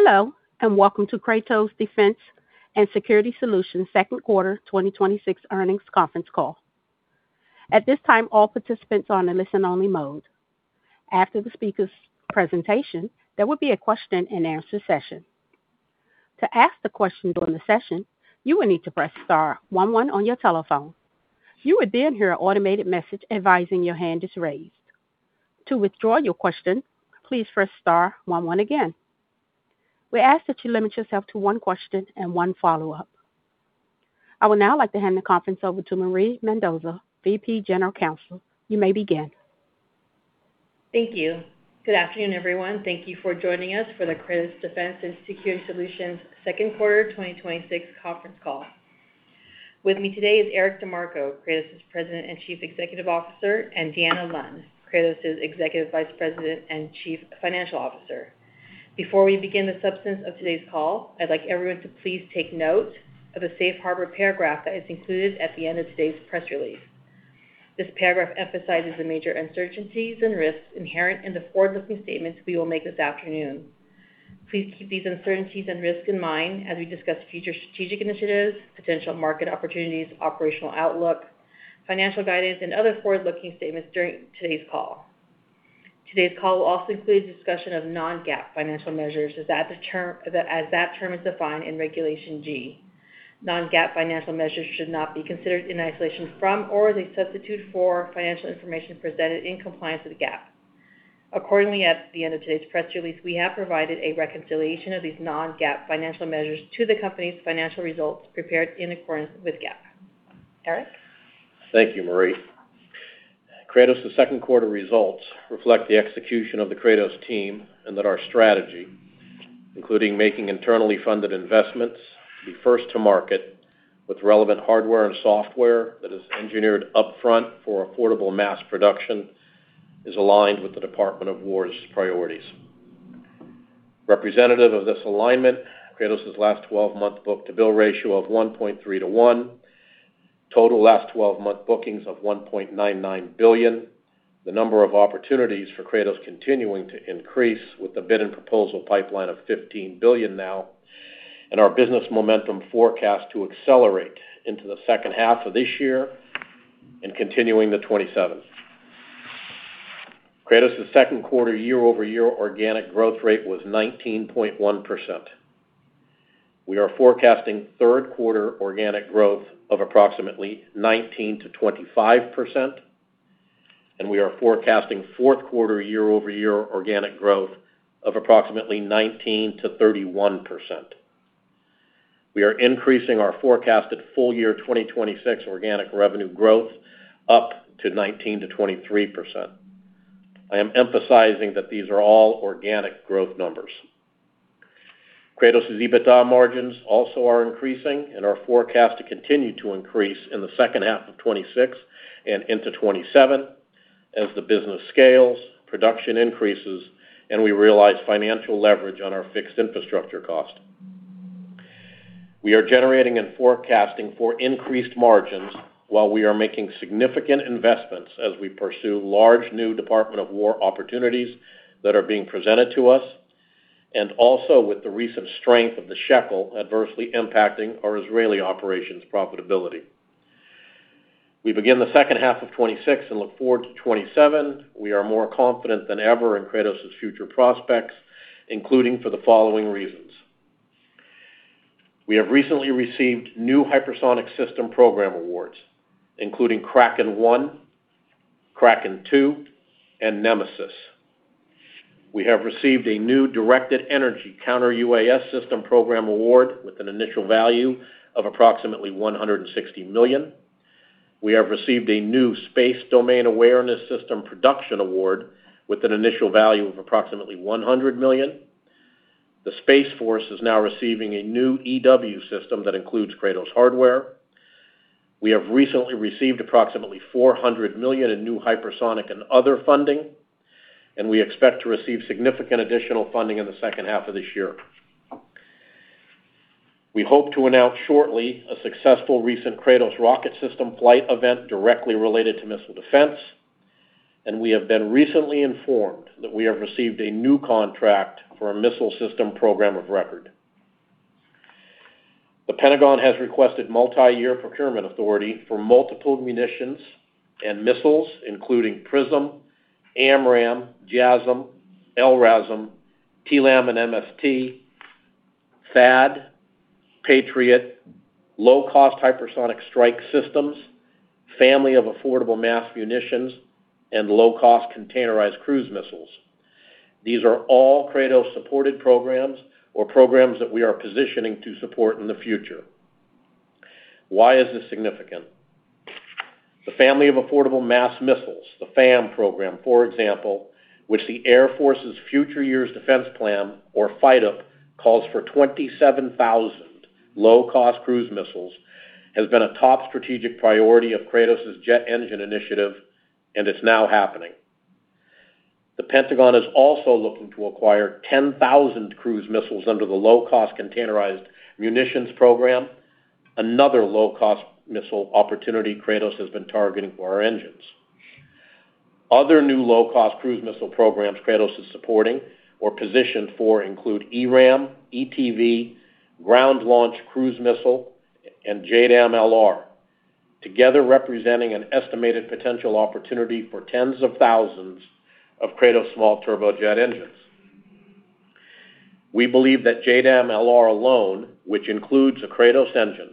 Hello, welcome to Kratos Defense & Security Solutions' second quarter 2026 earnings conference call. At this time, all participants are in listen only mode. After the speaker's presentation, there will be a question and answer session. To ask the question during the session, you will need to press star one one on your telephone. You will then hear an automated message advising your hand is raised. To withdraw your question, please press star one one again. We ask that you limit yourself to one question and one follow-up. I would now like to hand the conference over to Marie Mendoza, VP General Counsel. You may begin. Thank you. Good afternoon, everyone. Thank you for joining us for the Kratos Defense & Security Solutions second quarter 2026 conference call. With me today is Eric DeMarco, Kratos' President and Chief Executive Officer, and Deanna Lund, Kratos' Executive Vice President and Chief Financial Officer. Before we begin the substance of today's call, I'd like everyone to please take note of the safe harbor paragraph that is included at the end of today's press release. This paragraph emphasizes the major uncertainties and risks inherent in the forward-looking statements we will make this afternoon. Please keep these uncertainties and risks in mind as we discuss future strategic initiatives, potential market opportunities, operational outlook, financial guidance, and other forward-looking statements during today's call. Today's call will also include a discussion of non-GAAP financial measures, as that term is defined in Regulation G. Non-GAAP financial measures should not be considered in isolation from or as a substitute for financial information presented in compliance with GAAP. Accordingly, at the end of today's press release, we have provided a reconciliation of these non-GAAP financial measures to the company's financial results prepared in accordance with GAAP. Eric? Thank you, Marie. Kratos' second quarter results reflect the execution of the Kratos team and that our strategy, including making internally funded investments, be first to market with relevant hardware and software that is engineered upfront for affordable mass production, is aligned with the Department of Defense's priorities. Representative of this alignment, Kratos' last 12-month book-to-bill ratio of 1.3:1, total last 12-month bookings of $1.99 billion, the number of opportunities for Kratos continuing to increase with the bid and proposal pipeline of $15 billion now, and our business momentum forecast to accelerate into the second half of this year and continuing to 2027. Kratos' second quarter year-over-year organic growth rate was 19.1%. We are forecasting third quarter organic growth of approximately 19%-25%, and we are forecasting fourth quarter year-over-year organic growth of approximately 19%-31%. We are increasing our forecasted full year 2026 organic revenue growth up to 19%-23%. I am emphasizing that these are all organic growth numbers. Kratos' EBITDA margins also are increasing and are forecast to continue to increase in the second half of 2026 and into 2027 as the business scales, production increases, and we realize financial leverage on our fixed infrastructure cost. We are generating and forecasting for increased margins while we are making significant investments as we pursue large new Department of Defense opportunities that are being presented to us, and also with the recent strength of the shekel adversely impacting our Israeli operations profitability. We begin the second half of 2026 and look forward to 2027. We are more confident than ever in Kratos' future prospects, including for the following reasons. We have recently received new hypersonic system program awards, including Kraken One, Kraken Two, and Nemesis. We have received a new directed energy C-UAS system program award with an initial value of approximately $160 million. We have received a new space domain awareness system production award with an initial value of approximately $100 million. The Space Force is now receiving a new EW system that includes Kratos hardware. We have recently received approximately $400 million in new hypersonic and other funding, and we expect to receive significant additional funding in the second half of this year. We hope to announce shortly a successful recent Kratos rocket system flight event directly related to missile defense, and we have been recently informed that we have received a new contract for a missile system program of record. The Pentagon has requested multi-year procurement authority for multiple munitions and missiles, including PrSM, AMRAAM, JASSM, LRASM, TLAM and MF-T, THAAD, Patriot, low-cost hypersonic strike systems, family of affordable mass missiles, and low-cost containerized cruise missiles. These are all Kratos-supported programs or programs that we are positioning to support in the future. Why is this significant? The family of affordable mass missiles, the FAM program, for example, which the Air Force's Future Years Defense Plan, or FYDP, calls for 27,000 low-cost cruise missiles, has been a top strategic priority of Kratos' jet engine initiative, and it's now happening. The Pentagon is also looking to acquire 10,000 cruise missiles under the low-cost containerized munitions program, another low-cost missile opportunity Kratos has been targeting for our engines. Other new low-cost cruise missile programs Kratos is supporting or positioned for include ERAM, ETV, Ground Launched Cruise Missile, and JDAM-LR, together representing an estimated potential opportunity for tens of thousands of Kratos small turbojet engines. We believe that JDAM-LR alone, which includes a Kratos engine,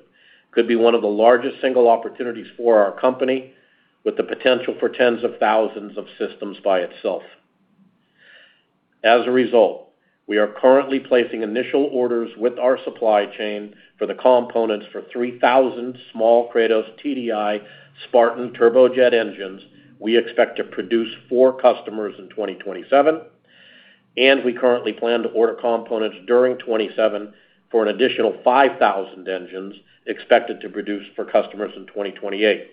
could be one of the largest single opportunities for our company, with the potential for tens of thousands of systems by itself. As a result, we are currently placing initial orders with our supply chain for the components for 3,000 small Kratos TDI Spartan turbojet engines we expect to produce for customers in 2027, and we currently plan to order components during 2027 for an additional 5,000 engines expected to produce for customers in 2028.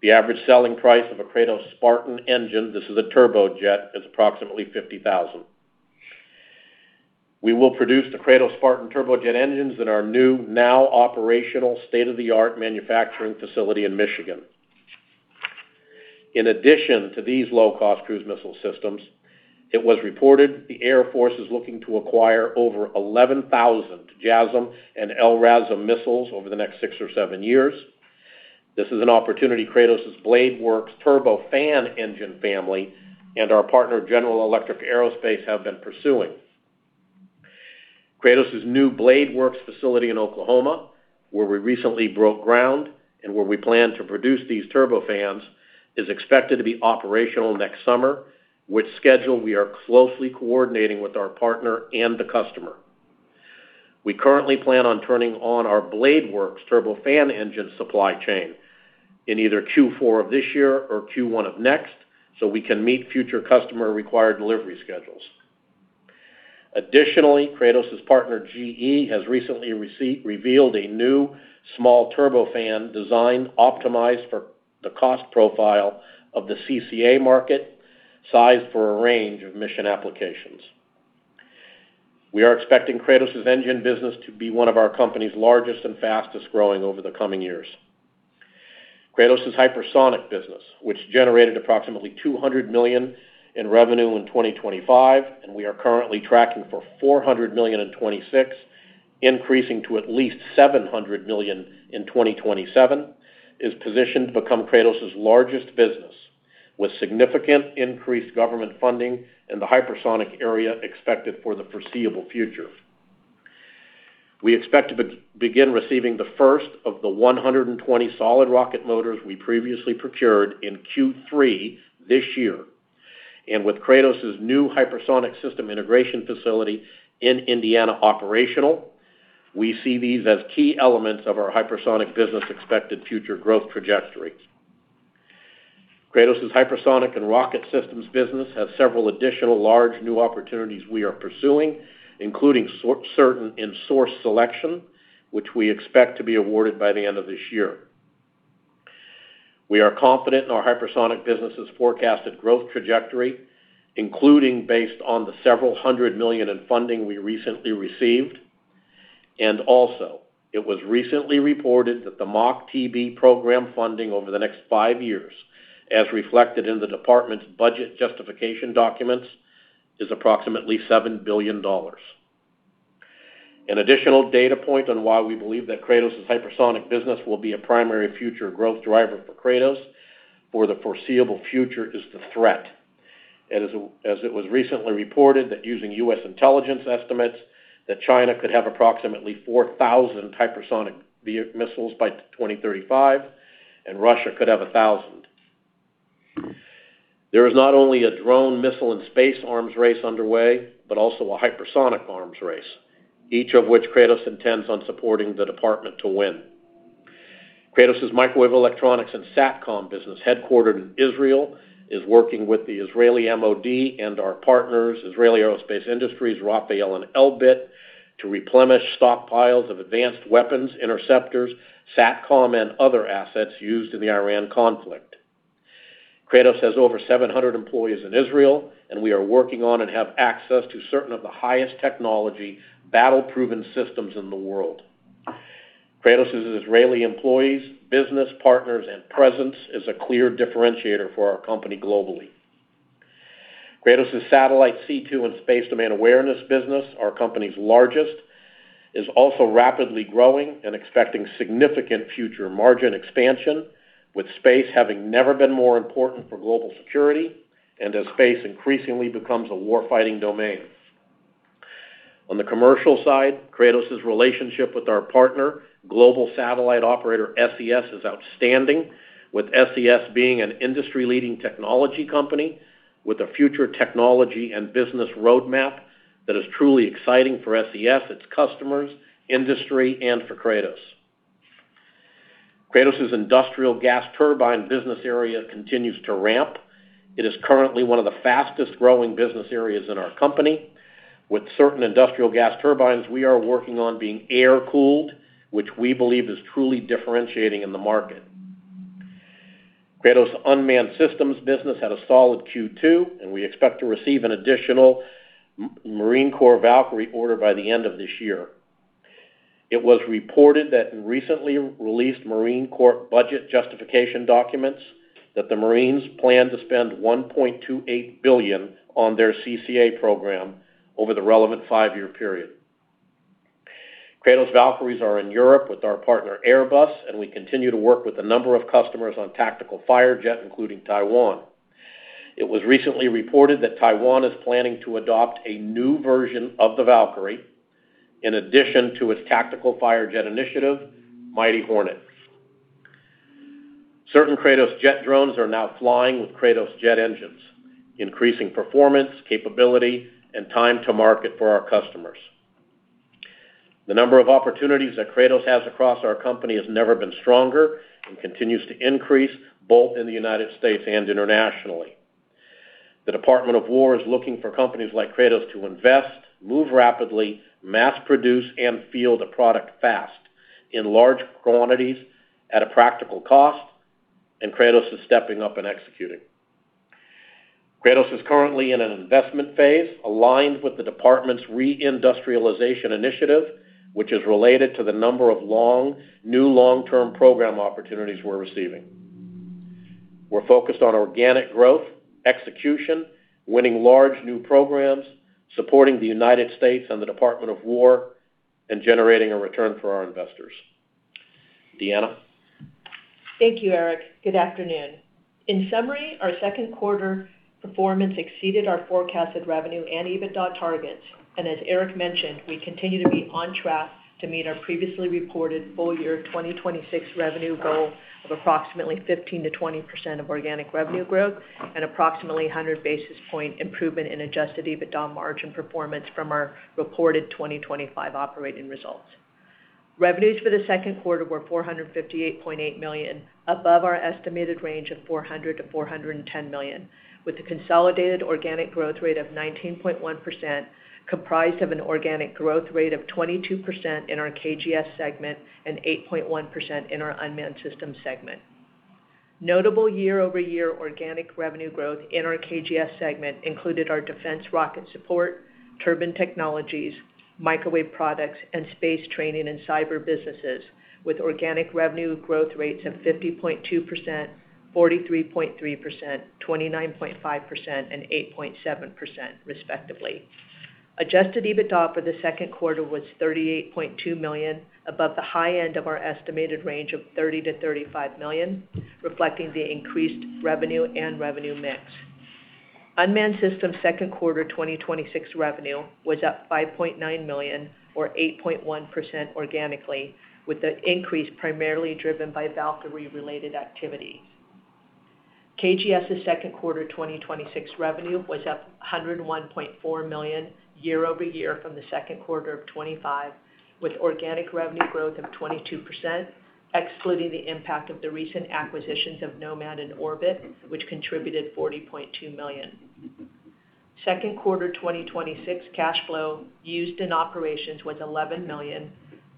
The average selling price of a Kratos Spartan engine, this is a turbojet, is approximately $50,000. We will produce the Kratos Spartan turbojet engines in our new, now operational state-of-the-art manufacturing facility in Michigan. In addition to these low-cost cruise missile systems, it was reported the Air Force is looking to acquire over 11,000 JASSM and LRASM missiles over the next six or seven years. This is an opportunity Kratos's BladeWorks Turbofan engine family and our partner, General Electric Aerospace, have been pursuing. Kratos's new BladeWorks facility in Oklahoma, where we recently broke ground and where we plan to produce these turbofans, is expected to be operational next summer, which schedule we are closely coordinating with our partner and the customer. We currently plan on turning on our BladeWorks turbofan engine supply chain in either Q4 of this year or Q1 of next so we can meet future customer required delivery schedules. Additionally, Kratos's partner, GE, has recently revealed a new small turbofan design optimized for the cost profile of the CCA market, sized for a range of mission applications. We are expecting Kratos's engine business to be one of our company's largest and fastest-growing over the coming years. Kratos's hypersonic business, which generated approximately $200 million in revenue in 2025, and we are currently tracking for $400 million in 2026, increasing to at least $700 million in 2027, is positioned to become Kratos's largest business, with significant increased government funding in the hypersonic area expected for the foreseeable future. We expect to begin receiving the first of the 120 solid rocket motors we previously procured in Q3 this year. With Kratos's new hypersonic system integration facility in Indiana operational, we see these as key elements of our hypersonic business' expected future growth trajectories. Kratos's hypersonic and rocket systems business has several additional large new opportunities we are pursuing, including certain in source selection, which we expect to be awarded by the end of this year. We are confident in our hypersonic business's forecasted growth trajectory, including based on the several hundred million in funding we recently received. Also, it was recently reported that the MACH-TB program funding over the next five years, as reflected in the Department's budget justification documents, is approximately $7 billion. An additional data point on why we believe that Kratos's hypersonic business will be a primary future growth driver for Kratos for the foreseeable future is the threat, as it was recently reported that using U.S. intelligence estimates that China could have approximately 4,000 hypersonic missiles by 2035, and Russia could have 1,000. There is not only a drone, missile, and space arms race underway, but also a hypersonic arms race, each of which Kratos intends on supporting the Department to win. Kratos's microwave electronics and SATCOM business, headquartered in Israel, is working with the Israeli MOD and our partners—Israel Aerospace Industries, Rafael, and Elbit—to replenish stockpiles of advanced weapons, interceptors, SATCOM, and other assets used in the Iran conflict. Kratos has over 700 employees in Israel, and we are working on and have access to certain of the highest technology, battle-proven systems in the world. Kratos' Israeli employees, business partners, and presence is a clear differentiator for our company globally. Kratos' satellite C2 and space domain awareness business, our company's largest, is also rapidly growing and expecting significant future margin expansion, with space having never been more important for global security and as space increasingly becomes a war-fighting domain. On the commercial side, Kratos' relationship with our partner, global satellite operator SES, is outstanding, with SES being an industry-leading technology company with a future technology and business roadmap that is truly exciting for SES, its customers, industry, and for Kratos. Kratos' industrial gas turbine business area continues to ramp; it is currently one of the fastest-growing business areas in our company. With certain industrial gas turbines, we are working on being air-cooled, which we believe is truly differentiating in the market. Kratos' unmanned systems business had a solid Q2, and we expect to receive an additional Marine Corps Valkyrie order by the end of this year. It was reported that in recently released Marine Corps budget justification documents, that the Marines plan to spend $1.28 billion on their CCA program over the relevant five-year period. Kratos Valkyries are in Europe with our partner, Airbus, and we continue to work with a number of customers on Tactical Firejet, including Taiwan. It was recently reported that Taiwan is planning to adopt a new version of the Valkyrie, in addition to its Tactical Firejet initiative, Mighty Hornet. Certain Kratos jet drones are now flying with Kratos jet engines, increasing performance, capability, and time to market for our customers. The number of opportunities that Kratos has across our company has never been stronger and continues to increase both in the United States and internationally. The Department of Defense is looking for companies like Kratos to invest, move rapidly, mass-produce, and field a product fast in large quantities at a practical cost, Kratos is stepping up and executing. Kratos is currently in an investment phase aligned with the department's re-industrialization initiative, which is related to the number of new long-term program opportunities we're receiving. We're focused on organic growth, execution, winning large new programs, supporting the United States and the Department of Defense, and generating a return for our investors. Deanna. Thank you, Eric. Good afternoon. In summary, our second-quarter performance exceeded our forecasted revenue and EBITDA targets. As Eric mentioned, we continue to be on track to meet our previously reported full-year 2026 revenue goal of approximately 15%-20% of organic revenue growth and approximately 100 basis point improvement in adjusted EBITDA margin performance from our reported 2025 operating results. Revenues for the second quarter were $458.8 million, above our estimated range of $400 million-$410 million, with a consolidated organic growth rate of 19.1%, comprised of an organic growth rate of 22% in our KGS segment and 8.1% in our unmanned system segment. Notable year-over-year organic revenue growth in our KGS segment included our defense rocket support, turbine technologies, microwave products, and space training and cyber businesses, with organic revenue growth rates of 50.2%, 43.3%, 29.5%, and 8.7%, respectively. Adjusted EBITDA for the second quarter was $38.2 million above the high end of our estimated range of $30 million-$35 million, reflecting the increased revenue and revenue mix. Unmanned Systems second quarter 2026 revenue was up $5.9 million or 8.1% organically, with the increase primarily driven by Valkyrie-related activities. KGS's second quarter 2026 revenue was up $101.4 million year-over-year from the second quarter of 2025, with organic revenue growth of 22%, excluding the impact of the recent acquisitions of Nomad and Orbit, which contributed $40.2 million. Second-quarter 2026 cash flow used in operations was $11 million,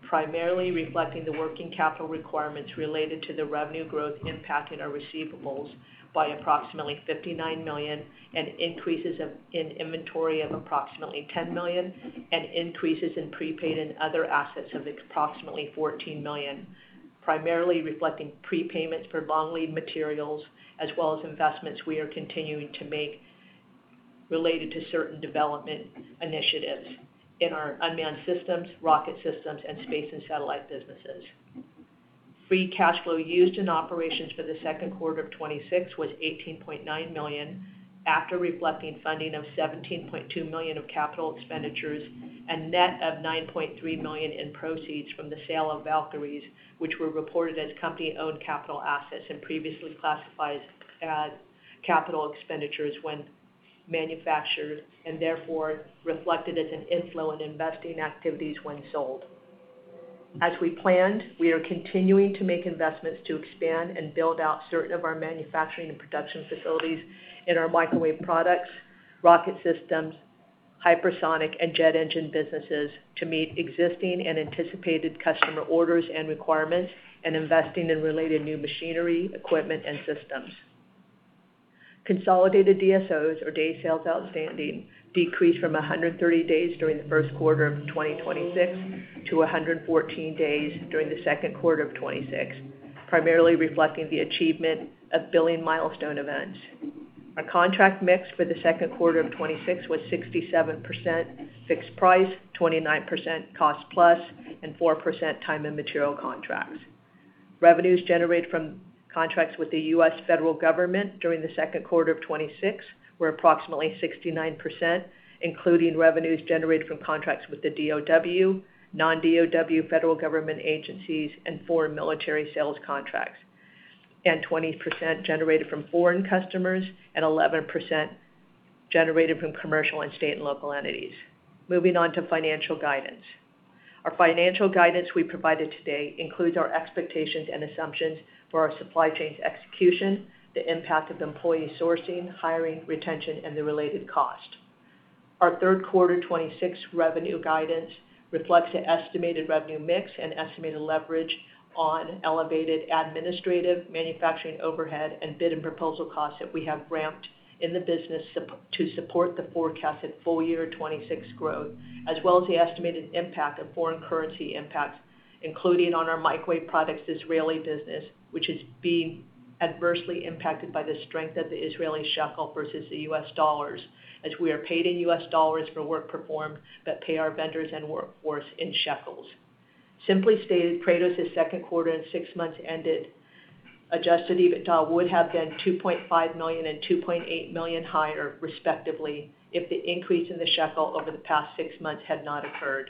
primarily reflecting the working capital requirements related to the revenue growth impact in our receivables by approximately $59 million and increases in inventory of approximately $10 million and increases in prepaid and other assets of approximately $14 million, primarily reflecting prepayments for long-lead materials as well as investments we are continuing to make related to certain development initiatives in our Unmanned Systems, Rocket Systems, and Space and Satellite businesses. Free cash flow used in operations for the second quarter of 2026 was $18.9 million, after reflecting funding of $17.2 million of capital expenditures and net of $9.3 million in proceeds from the sale of Valkyries, which were reported as company-owned capital assets and previously classified as capital expenditures when manufactured, and therefore reflected as an inflow in investing activities when sold. As we planned, we are continuing to make investments to expand and build out certain of our manufacturing and production facilities in our Microwave Products, Rocket Systems, Hypersonic and Jet Engine businesses to meet existing and anticipated customer orders and requirements and investing in related new machinery, equipment, and systems. Consolidated DSOs or Days Sales Outstanding decreased from 130 days during the first quarter of 2026 to 114 days during the second quarter of 2026, primarily reflecting the achievement of billing milestone events. Our contract mix for the second quarter of 2026 was 67% fixed price, 29% cost-plus, and 4% time-and-material contracts. Revenues generated from contracts with the U.S. federal government during the second quarter of 2026 were approximately 69%, including revenues generated from contracts with the DoD, non-DoD federal government agencies, and foreign military sales contracts, and 20% generated from foreign customers and 11% generated from commercial and state and local entities. Moving on to financial guidance. Our financial guidance we provided today includes our expectations and assumptions for our supply chains execution, the impact of employee sourcing, hiring, retention, and the related cost. Our third quarter 2026 revenue guidance reflects the estimated revenue mix and estimated leverage on elevated administrative, manufacturing overhead, and bid and proposal costs that we have ramped in the business to support the forecasted full-year 2026 growth, including on our microwave products Israeli business, which is being adversely impacted by the strength of the Israeli shekel versus the U.S. dollars, as we are paid in U.S. dollars for work performed that pay our vendors and workforce in shekels. Simply stated, Kratos' second quarter and six months ended adjusted EBITDA would have been $2.5 million and $2.8 million higher respectively if the increase in the shekel over the past six months had not occurred.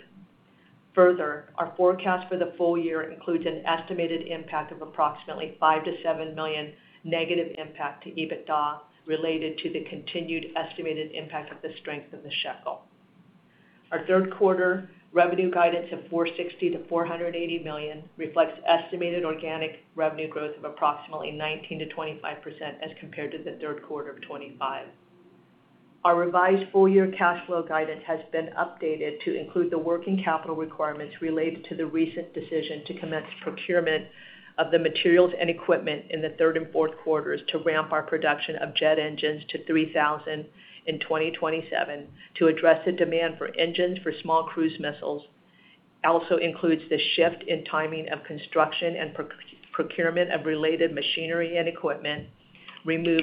Our forecast for the full year includes an estimated impact of approximately $5 million-$7 million negative impact to EBITDA related to the continued estimated impact of the strength of the shekel. Our third quarter revenue guidance of $460 million-$480 million reflects estimated organic revenue growth of approximately 19%-25% as compared to the third quarter of 2025. Our revised full-year cash flow guidance has been updated to include the working capital requirements related to the recent decision to commence procurement of the materials and equipment in the third and fourth quarters to ramp our production of jet engines to 3,000 in 2027 to address the demand for engines for small cruise missiles. Also includes the shift in timing of construction and procurement of related machinery and equipment, remove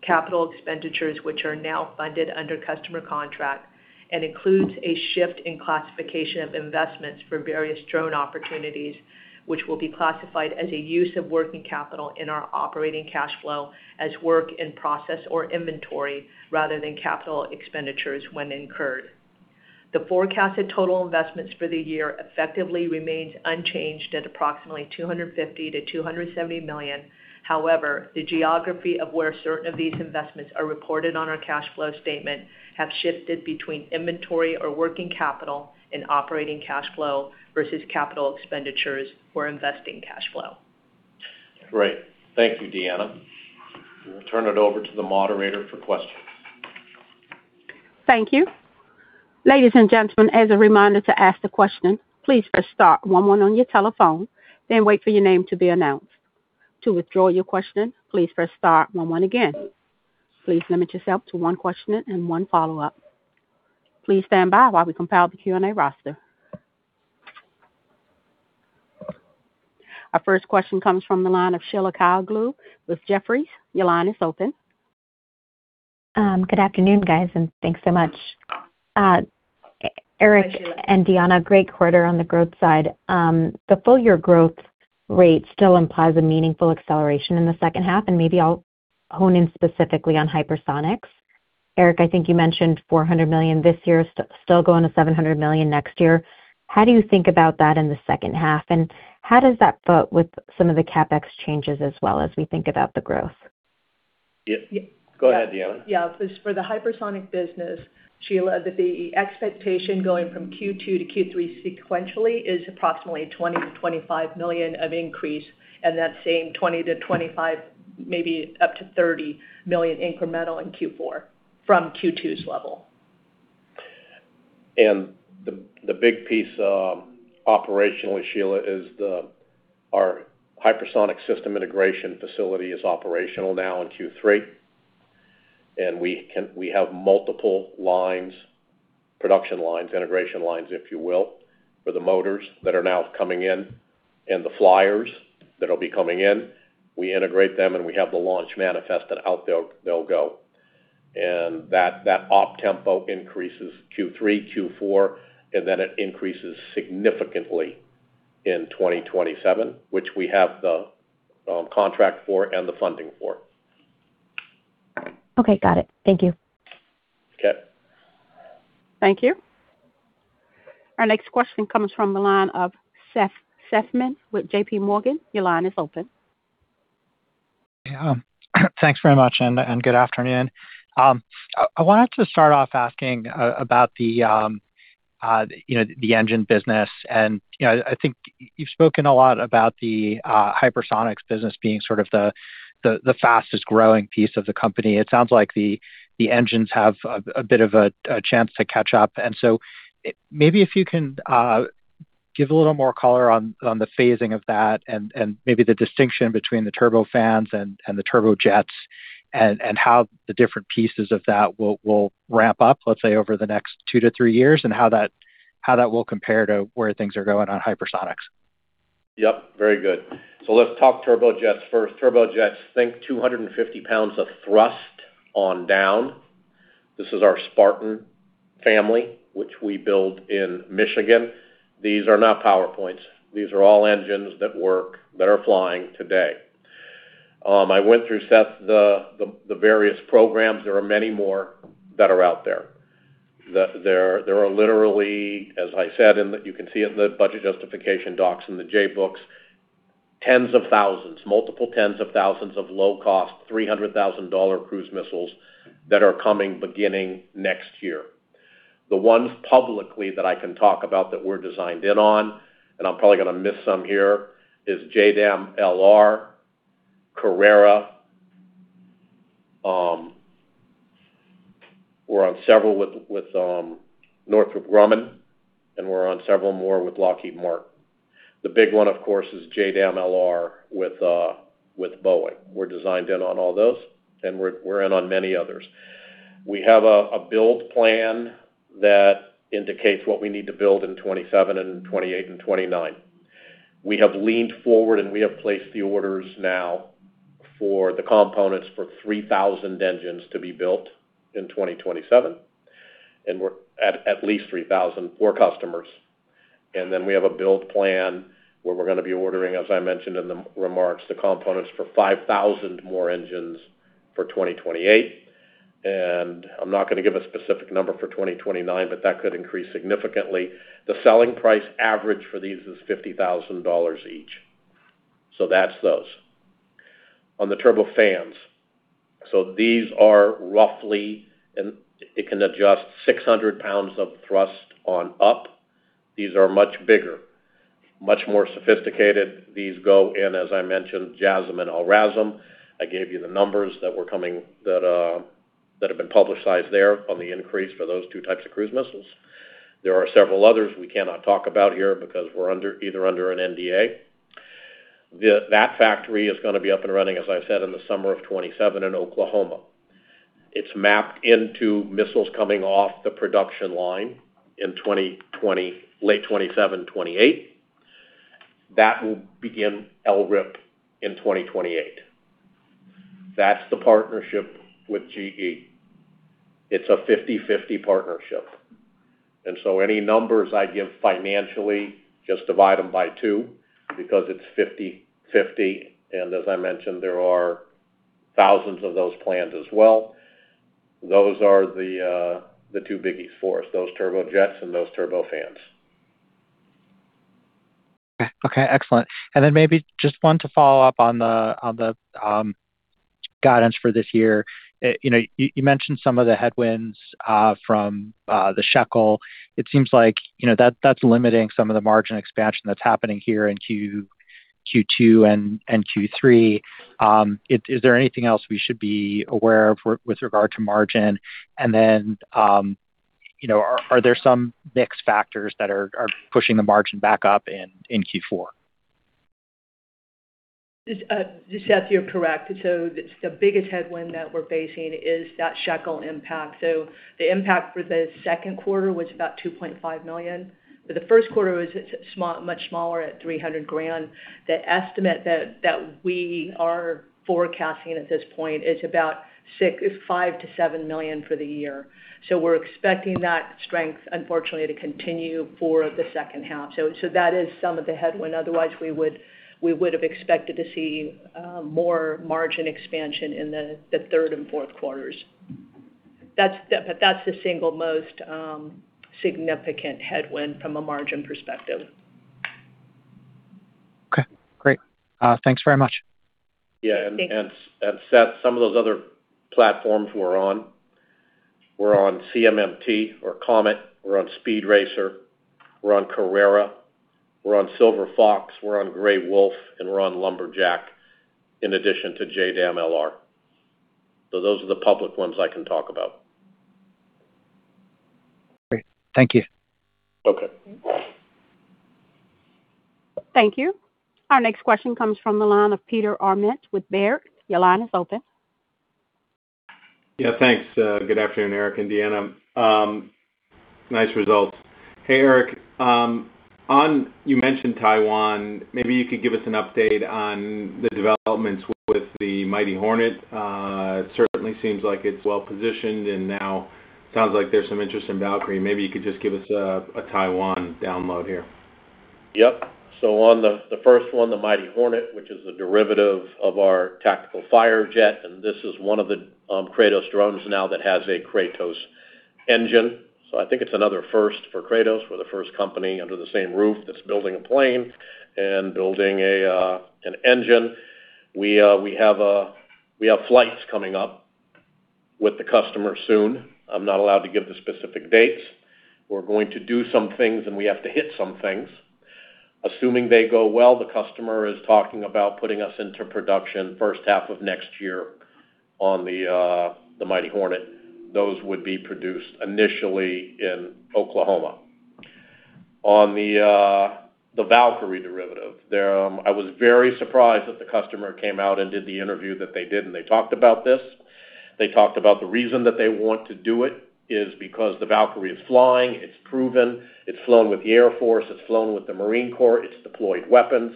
certain capital expenditures which are now funded under customer contract, and includes a shift in classification of investments for various drone opportunities, which will be classified as a use of working capital in our operating cash flow as work in process or inventory rather than capital expenditures when incurred. The forecasted total investments for the year effectively remains unchanged at approximately $250 million-$270 million. However, the geography of where certain of these investments are reported on our cash flow statement have shifted between inventory or working capital and operating cash flow versus capital expenditures or investing cash flow. Great. Thank you, Deanna. I'm going to turn it over to the moderator for questions. Thank you. Ladies and gentlemen, as a reminder to ask the question, please press star one one on your telephone, then wait for your name to be announced. To withdraw your question, please press star one one again. Please limit yourself to one question and one follow-up. Please stand by while we compile the Q&A roster. Our first question comes from the line of Sheila Kahyaoglu with Jefferies. Your line is open. Good afternoon, guys, and thanks so much. Hi, Sheila. Eric and Deanna, great quarter on the growth side. The full year growth rate still implies a meaningful acceleration in the second half, and maybe I'll hone in specifically on hypersonics. Eric, I think you mentioned $400 million this year, still going to $700 million next year. How do you think about that in the second half, and how does that fit with some of the CapEx changes as well as we think about the growth? Yeah. Go ahead, Deanna. Yeah. For the hypersonic business, Sheila, the expectation going from Q2 to Q3 sequentially is approximately $20 million-$25 million of increase, and that same $20 million-$25 million, maybe up to $30 million incremental in Q4 from Q2's level. The big piece operationally, Sheila, is our hypersonic system integration facility is operational now in Q3. We have multiple production lines, integration lines, if you will, for the motors that are now coming in and the flyers that'll be coming in. We integrate them, we have the launch manifest, and out they'll go. That op tempo increases Q3, Q4, and then it increases significantly in 2027, which we have the contract for and the funding for. Okay, got it. Thank you. Okay. Thank you. Our next question comes from the line of Seth Seifman with J.P. Morgan. Your line is open. Yeah. Thanks very much. Good afternoon. I wanted to start off asking about the engine business. I think you've spoken a lot about the hypersonics business being sort of the fastest-growing piece of the company; It sounds like the engines have a bit of a chance to catch up. Maybe if you can give a little more color on the phasing of that and maybe the distinction between the turbofans and the turbojets, how the different pieces of that will ramp up—et's say, over the next two to three years—and how that will compare to where things are going on hypersonics. Yep, very good. Let's talk turbojets first. Turbojets, think 250 pounds of thrust on down. This is our Spartan family, which we build in Michigan. These are not PowerPoints—these are all engines that work, that are flying today. I went through, Seth, the various programs. There are many more that are out there. There are literally, as I said, and you can see it in the budget justification docs in the J books, tens of thousands—multiple tens of thousands—of low-cost, $300,000 cruise missiles that are coming beginning next year. The ones publicly that I can talk about that we're designed in on, I'm probably going to miss some here, is JDAM-LR, Carrera. We're on several with Northrop Grumman. We're on several more with Lockheed Martin. The big one, of course, is JDAM-LR with Boeing. We're designed in on all those. We're in on many others. We have a build plan that indicates what we need to build in 2027 and 2028 and 2029. We have leaned forward. We have placed the orders now for the components for 3,000 engines to be built in 2027. At least 3,000 for customers. We have a build plan where we're going to be ordering, as I mentioned in the remarks, the components for 5,000 more engines for 2028. I'm not going to give a specific number for 2029, but that could increase significantly. The selling price average for these is $50,000 each. That's those. On the turbofans. These are roughly, it can adjust 600 pounds of thrust on up. These are much bigger, much more sophisticated. These go in, as I mentioned, JASSM and LRASM. I gave you the numbers that have been publicized there on the increase for those two types of cruise missiles. There are several others we cannot talk about here because we're either under an NDA. That factory is going to be up and running, as I said, in the summer of 2027 in Oklahoma. It's mapped into missiles coming off the production line in late 2027, 2028. That will begin LRIP in 2028. That's the partnership with GE. It's a 50/50 partnership. Any numbers I give financially, just divide them by two because it's 50/50, and as I mentioned, there are thousands of those planned as well. Those are the 2 biggies for us, those turbojets and those turbofans. Okay, excellent. Maybe just one to follow up on the guidance for this year. You mentioned some of the headwinds from the shekel. It seems like that's limiting some of the margin expansion that's happening here in Q2 and Q3. Is there anything else we should be aware of with regard to margin? Are there some mixed factors that are pushing the margin back up in Q4? Seth, you're correct. The biggest headwind that we're facing is that shekel impact. The impact for the second quarter was about $2.5 million, but the first quarter was much smaller at $300,000. The estimate that we are forecasting at this point is about $5 million-$7 million for the year. We're expecting that strength, unfortunately, to continue for the second half; that is some of the headwind. Otherwise, we would've expected to see more margin expansion in the third and fourth quarters. That's the single most significant headwind from a margin perspective. Okay, great. Thanks very much. Yeah. Thanks. Seth, some of those other platforms we're on, we're on CMMT or COMET, we're on Speed Racer, we're on Carrera, we're on Silver Fox, we're on Gray Wolf, and we're on Lumberjack in addition to JDAM-LR. Those are the public ones I can talk about. Great. Thank you. Okay. Thank you. Our next question comes from the line of Peter Arment with Baird. Your line is open. Thanks. Good afternoon, Eric and Deanna. Nice results. Hey, Eric, you mentioned Taiwan. Maybe you could give us an update on the developments with the Mighty Hornet; it certainly seems like it's well-positioned, and now sounds like there's some interest in Valkyrie. Maybe you could just give us a Taiwan download here. On the first one, the Mighty Hornet, which is a derivative of our Tactical Firejet, and this is one of the Kratos drones now that has a Kratos engine. I think it's another first for Kratos. We're the first company under the same roof that's building a plane and building an engine. We have flights coming up with the customer soon. I'm not allowed to give the specific dates. We're going to do some things, and we have to hit some things. Assuming they go well, the customer is talking about putting us into production first half of next year on the Mighty Hornet. Those would be produced initially in Oklahoma. On the Valkyrie derivative, I was very surprised that the customer came out and did the interview that they did. They talked about this. They talked about the reason that they want to do it is because the Valkyrie is flying. It's proven. It's flown with the Air Force. It's flown with the Marine Corps. It's deployed weapons.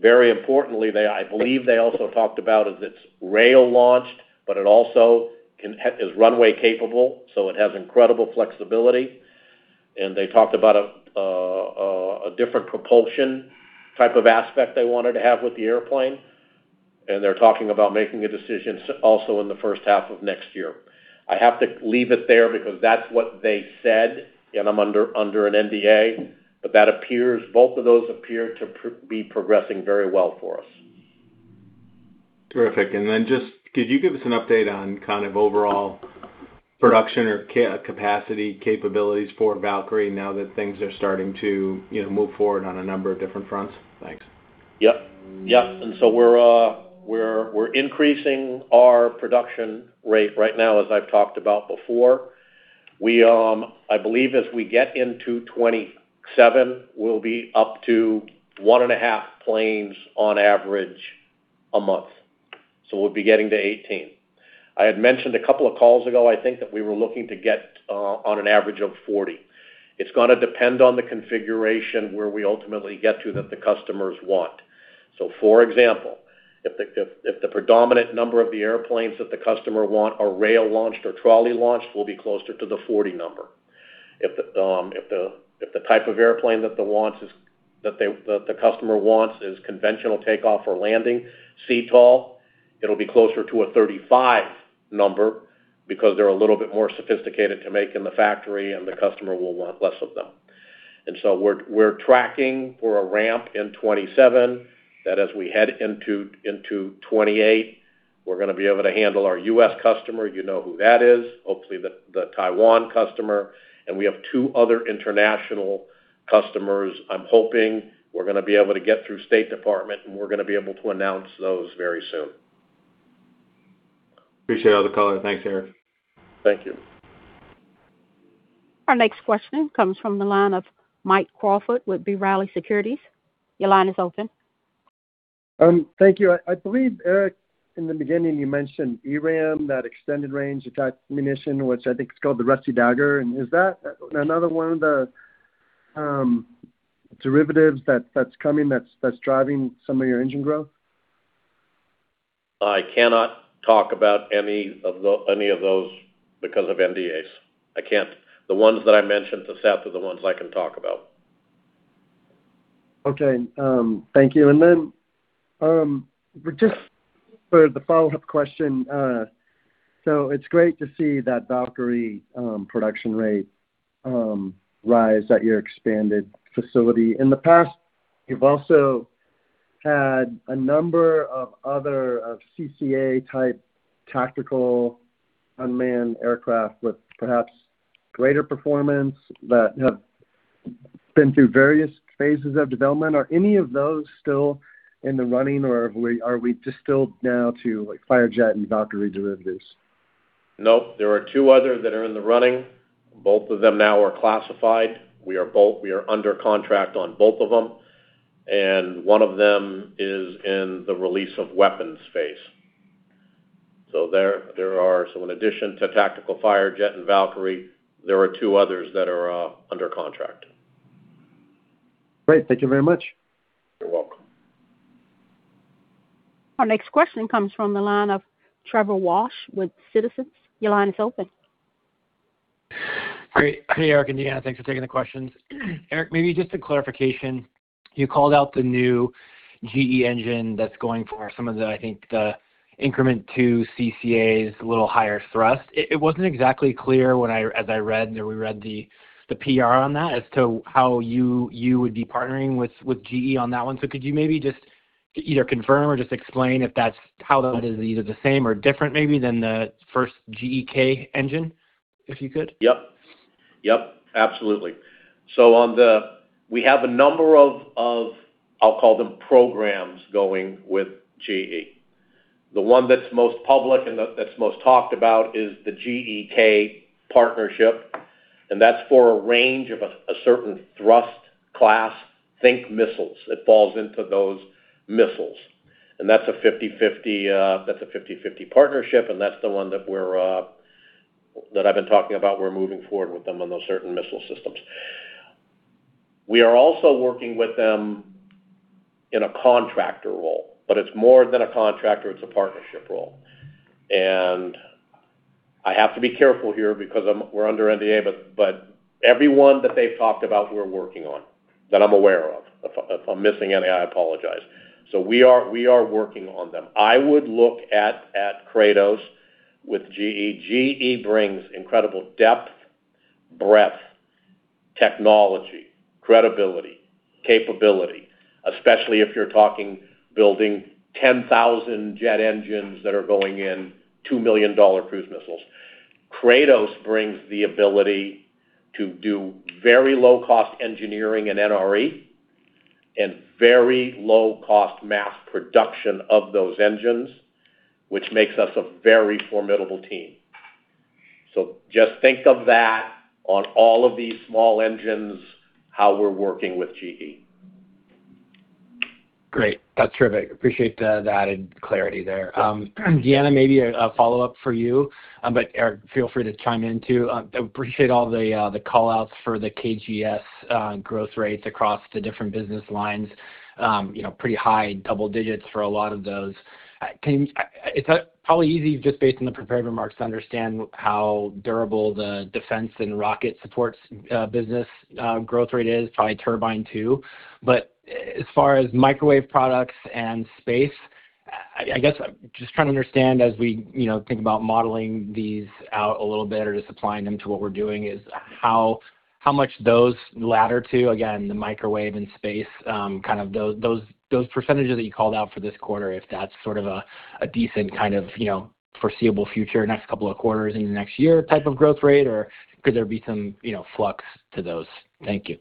Very importantly, I believe they also talked about is it's rail-launched, but it also is runway capable, so it has incredible flexibility. They talked about a different propulsion type of aspect they wanted to have with the airplane. They're talking about making a decision also in the first half of next year. I have to leave it there because that's what they said, and I'm under an NDA, but both of those appear to be progressing very well for us. Terrific. Just could you give us an update on kind of overall production or capacity capabilities for Valkyrie now that things are starting to move forward on a number of different fronts? Thanks. Yep. We're increasing our production rate right now, as I've talked about before. I believe as we get into 2027, we'll be up to 1.5 planes on average a month, so we'll be getting to 18. I had mentioned a couple of calls ago, I think, that we were looking to get on an average of 40. It's going to depend on the configuration where we ultimately get to that the customers want. For example, if the predominant number of the airplanes that the customer want are rail-launched or trolley-launched, we'll be closer to the 40 number. If the type of airplane that the customer wants is conventional takeoff or landing, CTOL, it'll be closer to a 35 number because they're a little bit more sophisticated to make in the factory, and the customer will want less of them. We're tracking for a ramp in 2027 that as we head into 2028, we're going to be able to handle our U.S. customer. You know who that is. Hopefully, the Taiwan customer, and we have two other international customers I'm hoping we're going to be able to get through State Department, and we're going to be able to announce those very soon. Appreciate all the color. Thanks, Eric. Thank you. Our next question comes from the line of Mike Crawford with B. Riley Securities. Your line is open. Thank you. I believe, Eric, in the beginning, you mentioned ERAM, that extended range attack munition, which I think is called the Rusty Dagger. Is that another one of the derivatives that's coming that's driving some of your engine growth? I cannot talk about any of those because of NDAs. I can't. The ones that I mentioned, to Seth, are the ones I can talk about. Okay. Thank you. Just for the follow-up question, it's great to see that Valkyrie production rate rise at your expanded facility. In the past, you've also had a number of other CCA-type tactical unmanned aircraft—perhaps greater performance—that have been through various phases of development. Are any of those still in the running, or are we distilled now to Firejet and Valkyrie derivatives? No. There are two others that are in the running. Both of them now are classified. We are under contract on both of them, and one of them is in the release of weapons phase. In addition to Tactical Firejet and Valkyrie, there are two others that are under contract. Great. Thank you very much. You're welcome. Our next question comes from the line of Trevor Walsh with Citizens. Your line is open. Great. Hey, Eric and Deanna. Thanks for taking the questions. Eric, maybe just a clarification. You called out the new GE engine that's going for some of the, I think, the increment to CCAs little higher thrust. It wasn't exactly clear as I read and we read the PR on that as to how you would be partnering with GE on that one. Could you maybe just either confirm or just explain if that's how that is either the same or different maybe than the first GEK engine, if you could? Yep. Absolutely. We have a number of, I'll call them programs, going with GE. The one that's most public and that's most talked about is the GEK partnership, that's for a range of a certain thrust class. Think missiles. It falls into those missiles. That's a 50/50 partnership, and that's the one that I've been talking about. We're moving forward with them on those certain missile systems. We are also working with them in a contractor role. It's more than a contractor, it's a partnership role. I have to be careful here because we're under NDA, everyone that they've talked about, we're working on, that I'm aware of. If I'm missing any, I apologize. We are working on them. I would look at Kratos with GE. GE brings incredible depth, breadth, technology, credibility, capability, especially if you're talking building 10,000 jet engines that are going in $2 million cruise missiles. Kratos brings the ability to do very low-cost engineering and NRE and very low-cost mass production of those engines, which makes us a very formidable team. Just think of that on all of these small engines, how we're working with GE. Great. That's terrific. Appreciate the added clarity there. Deanna, maybe a follow-up for you, Eric, feel free to chime in, too. I appreciate all the call-outs for the KGS growth rates across the different business lines. Pretty high double digits for a lot of those. It's probably easy, just based on the prepared remarks, to understand how durable the defense and rocket supports business growth rate is, probably turbine too. As far as microwave products and space, I guess I'm just trying to understand as we think about modeling these out a little bit or just applying them to what we're doing is how much those latter two, again, the microwave and space, those percentages that you called out for this quarter, if that's sort of a decent foreseeable future, next couple of quarters into next year type of growth rate, or could there be some flux to those? Thank you.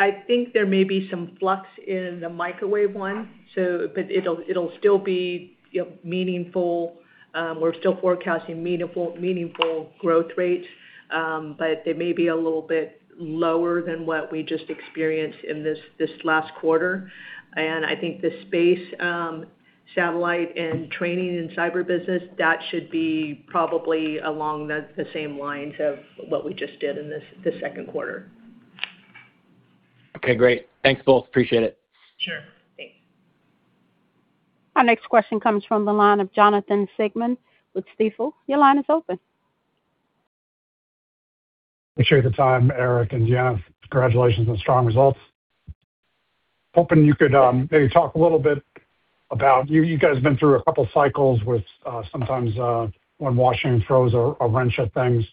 I think there may be some flux in the microwave one, but it'll still be meaningful. We're still forecasting meaningful growth rates, but they may be a little bit lower than what we just experienced in this last quarter. I think the space, satellite, and training, and cyber business, that should be probably along the same lines of what we just did in the second quarter. Okay, great. Thanks, both. Appreciate it. Sure. Thanks. Our next question comes from the line of Jonathan Siegmann with Stifel. Your line is open. Appreciate the time, Eric and Deanna. Congratulations on the strong results. Hoping you could maybe talk a little bit about, you guys have been through a couple cycles with sometimes when Washington throws a wrench at things.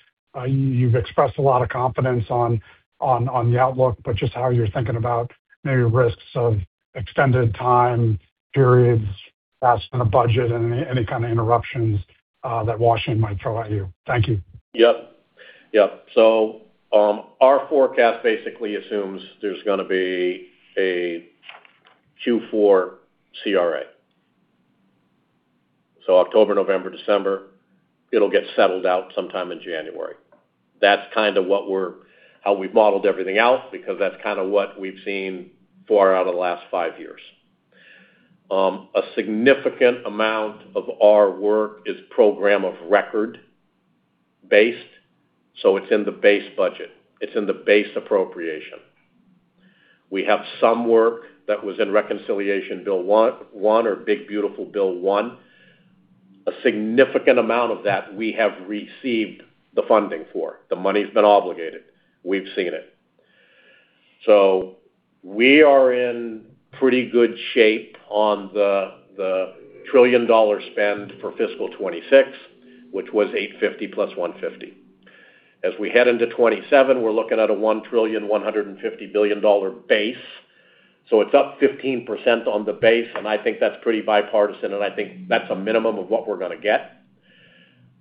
You've expressed a lot of confidence on the outlook, but just how you're thinking about maybe risks of extended time periods passed in a budget and any kind of interruptions that Washington might throw at you. Thank you. Our forecast basically assumes there's going to be a Q4 CRA. October, November, December, it'll get settled out sometime in January. That's kind of how we've modeled everything out because that's kind of what we've seen four out of the last five years. A significant amount of our work is program of record based, so it's in the base budget. It's in the base appropriation. We have some work that was in Reconciliation Bill one or Big Beautiful Bill one. A significant amount of that we have received the funding for. The money's been obligated. We've seen it. We are in pretty good shape on the $1 trillion spend for FY 2026, which was $850 plus $150. As we head into 2027, we're looking at a $1.15 trillion base. It's up 15% on the base; I think that's pretty bipartisan, and I think that's a minimum of what we're going to get.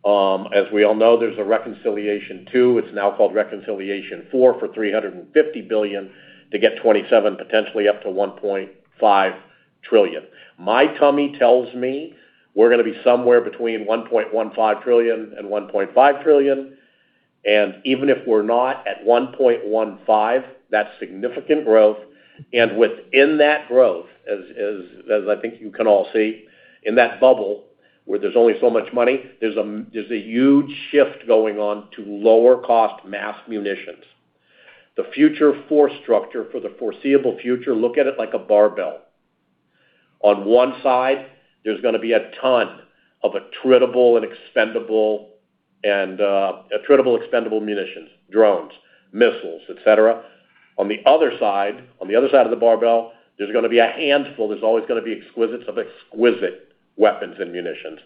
We all know, there's a Reconciliation 2, it's now called Reconciliation 4 for $350 billion to get 2027 potentially up to $1.5 trillion. My tummy tells me we're going to be somewhere between $1.15 trillion and $1.5 trillion. Even if we're not at $1.15 trillion, that's significant growth. Within that growth, as I think you can all see, in that bubble where there's only so much money, there's a huge shift going on to lower cost mass munitions. The future force structure for the foreseeable future, look at it like a barbell: on one side, there's going to be a ton of attritable expendable munitions, drones, missiles, etc. On the other side of the barbell, there's going to be a handful. There's always going to be exclusives of exquisite weapons and munitions;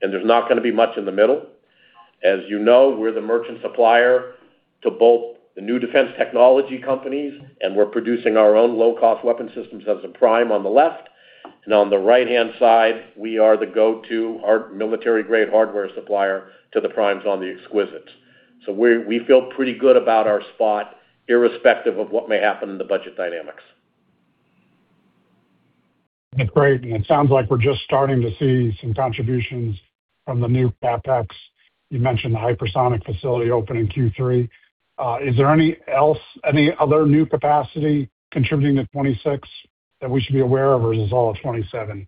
there not going to be much in the middle. As you know, we're the merchant supplier to both the new defense technology companies, and we're producing our own low-cost weapon systems as a prime on the left. On the right-hand side, we are the go-to military-grade hardware supplier to the primes on the exquisites. We feel pretty good about our spot irrespective of what may happen in the budget dynamics. That's great. It sounds like we're just starting to see some contributions from the new CapEx. You mentioned the hypersonic facility opening Q3. Is there any other new capacity contributing to 2026 that we should be aware of, or is this all a 2027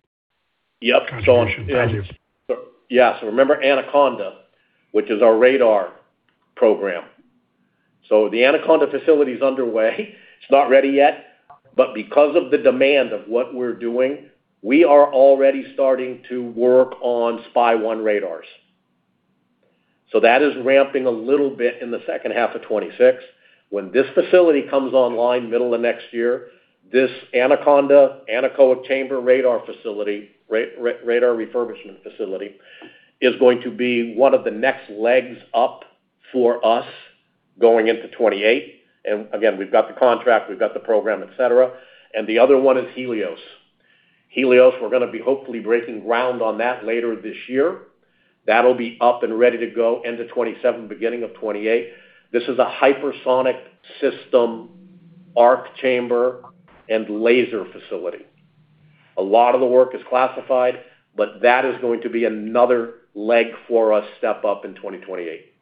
contribution? Thank you. Yeah. Remember Anaconda, which is our radar program. The Anaconda facility is underway. It's not ready yet, but because of the demand of what we're doing, we are already starting to work on SPY-1 radars; that is ramping a little bit in the second half of 2026. When this facility comes online middle of next year, this Anaconda anechoic chamber radar facility, radar refurbishment facility, is going to be one of the next legs up for us going into 2028. Again, we've got the contract, we've got the program, et cetera. The other one is Helios. Helios, we're going to be hopefully breaking ground on that later this year. That'll be up and ready to go end of 2027, beginning of 2028. This is a hypersonic system, arc chamber, and laser facility. A lot of the work is classified, that is going to be another leg for us step up in 2028.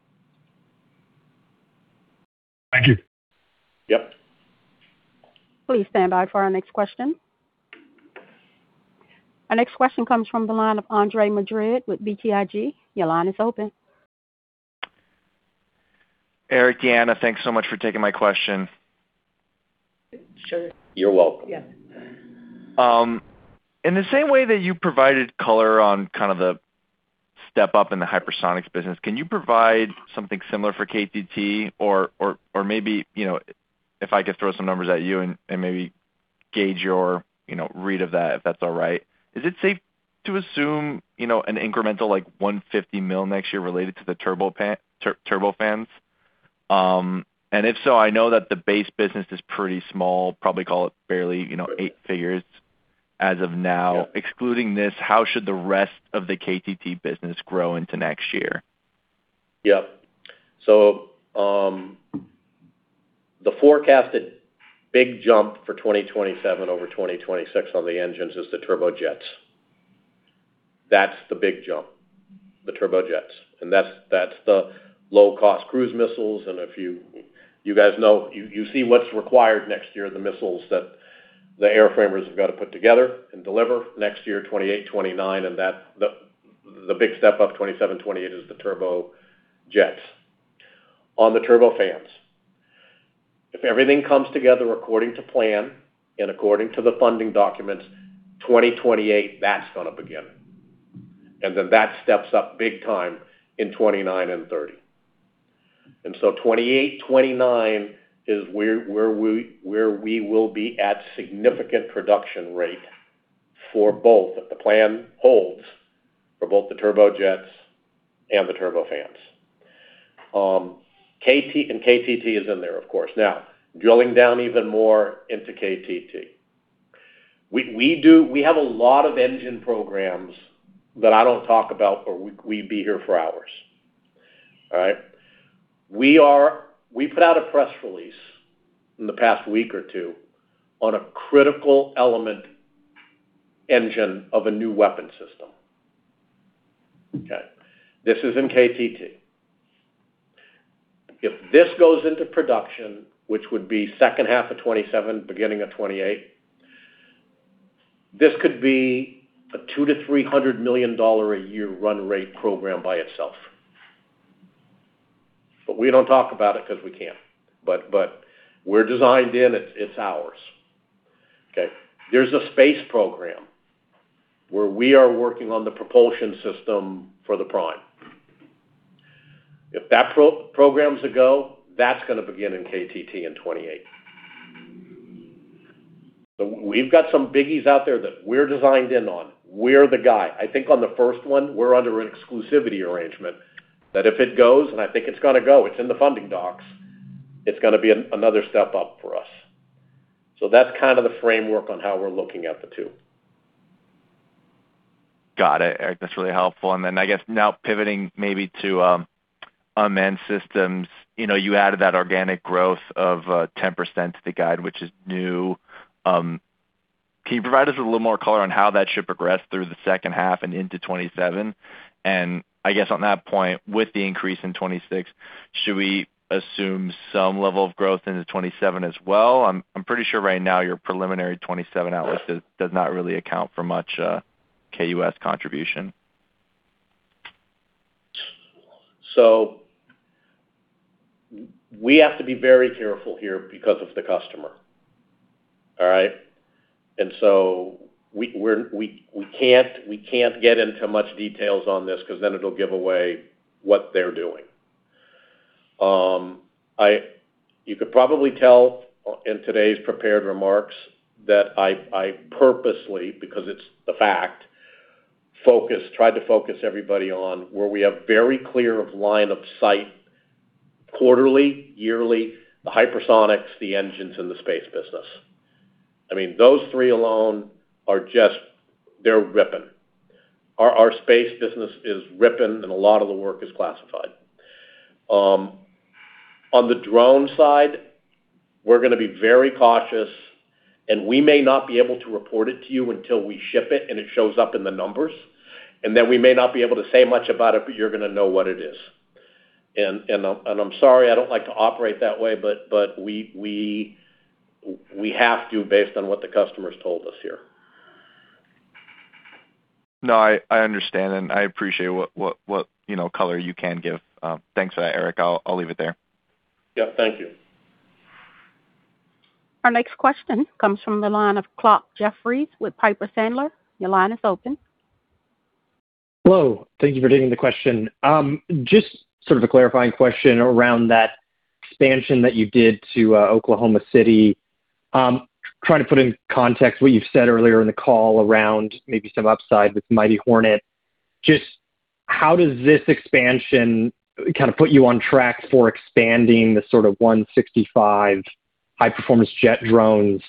Thank you. Yep. Please stand by for our next question. Our next question comes from the line of Andre Madrid with BTIG. Your line is open. Eric, Deanna, thanks so much for taking my question. Sure. You're welcome. Yeah. In the same way that you provided color on kind of the step-up in the hypersonics business, can you provide something similar for KTT? Maybe if I could throw some numbers at you and maybe gauge your read of that, if that's all right. Is it safe to assume an incremental like $150 million next year related to the turbofans? If so, I know that the base business is pretty small, probably call it barely eight figures as of now. Excluding this, how should the rest of the KTT business grow into next year? The forecasted big jump for 2027 over 2026 on the engines is the turbojets. That's the big jump, the turbojets. That's the low-cost cruise missiles, and if you guys know, you see what's required next year of the missiles that the airframers have got to put together and deliver next year, 2028, 2029, and the big step up, 2027, 2028, is the turbojets. On the turbofans, if everything comes together according to plan and according to the funding documents, 2028, that's going to begin. Then that steps up big time in 2029 and 2030. 2028, 2029 is where we will be at significant production rate for both, if the plan holds, for both the turbojets and the turbofans. KTT is in there, of course. Now, drilling down even more into KTT. We have a lot of engine programs that I don't talk about, or we'd be here for hours. All right? We put out a press release in the past week or two on a critical element engine of a new weapon system. Okay? This is in KTT. If this goes into production, which would be second half of 2027, beginning of 2028, this could be a $200 million to $300 million a year run rate program by itself. But we don't talk about it because we can't. But we're designed in. It's ours. Okay? There's a space program where we are working on the propulsion system for the prime. If that program is a go, that's going to begin in KTT in 2028. We've got some biggies out there that we're designed in on. We're the guy. I think on the first one, we're under an exclusivity arrangement that if it goes, and I think it's going to go, it's in the funding docs, it's going to be another step up for us. That's kind of the framework on how we're looking at the two. Got it, Eric. That's really helpful. I guess now pivoting maybe to unmanned systems. You added that organic growth of 10% to the guide, which is new. Can you provide us with a little more color on how that should progress through the second half and into 2027? I guess on that point, with the increase in 2026, should we assume some level of growth into 2027 as well? I'm pretty sure right now your preliminary 2027 outlook does not really account for much KUS contribution. We have to be very careful here because of the customer. All right? We can't get into much details on this because then it'll give away what they're doing. You could probably tell in today's prepared remarks that I purposely, because it's the fact, tried to focus everybody on where we have very clear line of sight quarterly, yearly, the hypersonics, the engines, and the space business. Those three alone are just, they're ripping. Our space business is ripping, and a lot of the work is classified. On the drone side, we're going to be very cautious, and we may not be able to report it to you until we ship it, and it shows up in the numbers. Then we may not be able to say much about it, but you're going to know what it is. I'm sorry, I don't like to operate that way, but we have to based on what the customer's told us here. No, I understand, and I appreciate what color you can give. Thanks for that, Eric. I'll leave it there. Yeah. Thank you. Our next question comes from the line of Clarke Jeffries with Piper Sandler. Your line is open. Hello. Thank you for taking the question. Just sort of a clarifying question around that expansion that you did to Oklahoma City. Trying to put in context what you've said earlier in the call around maybe some upside with Mighty Hornet. Just how does this expansion kind of put you on track for expanding the sort of 165 high performance jet drones?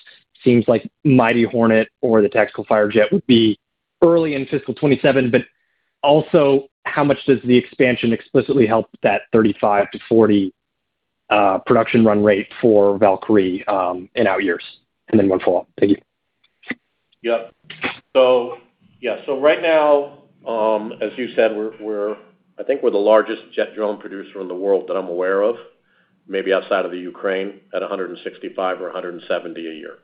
Seems like Mighty Hornet or the Tactical Firejet would be early in fiscal 2027, but also, how much does the expansion explicitly help that 35-40 production run rate for Valkyrie in out years? Then one follow-up. Thank you. Yeah. Right now, as you said, I think we're the largest jet drone producer in the world that I'm aware of, maybe outside of the Ukraine, at 165 or 170 a year.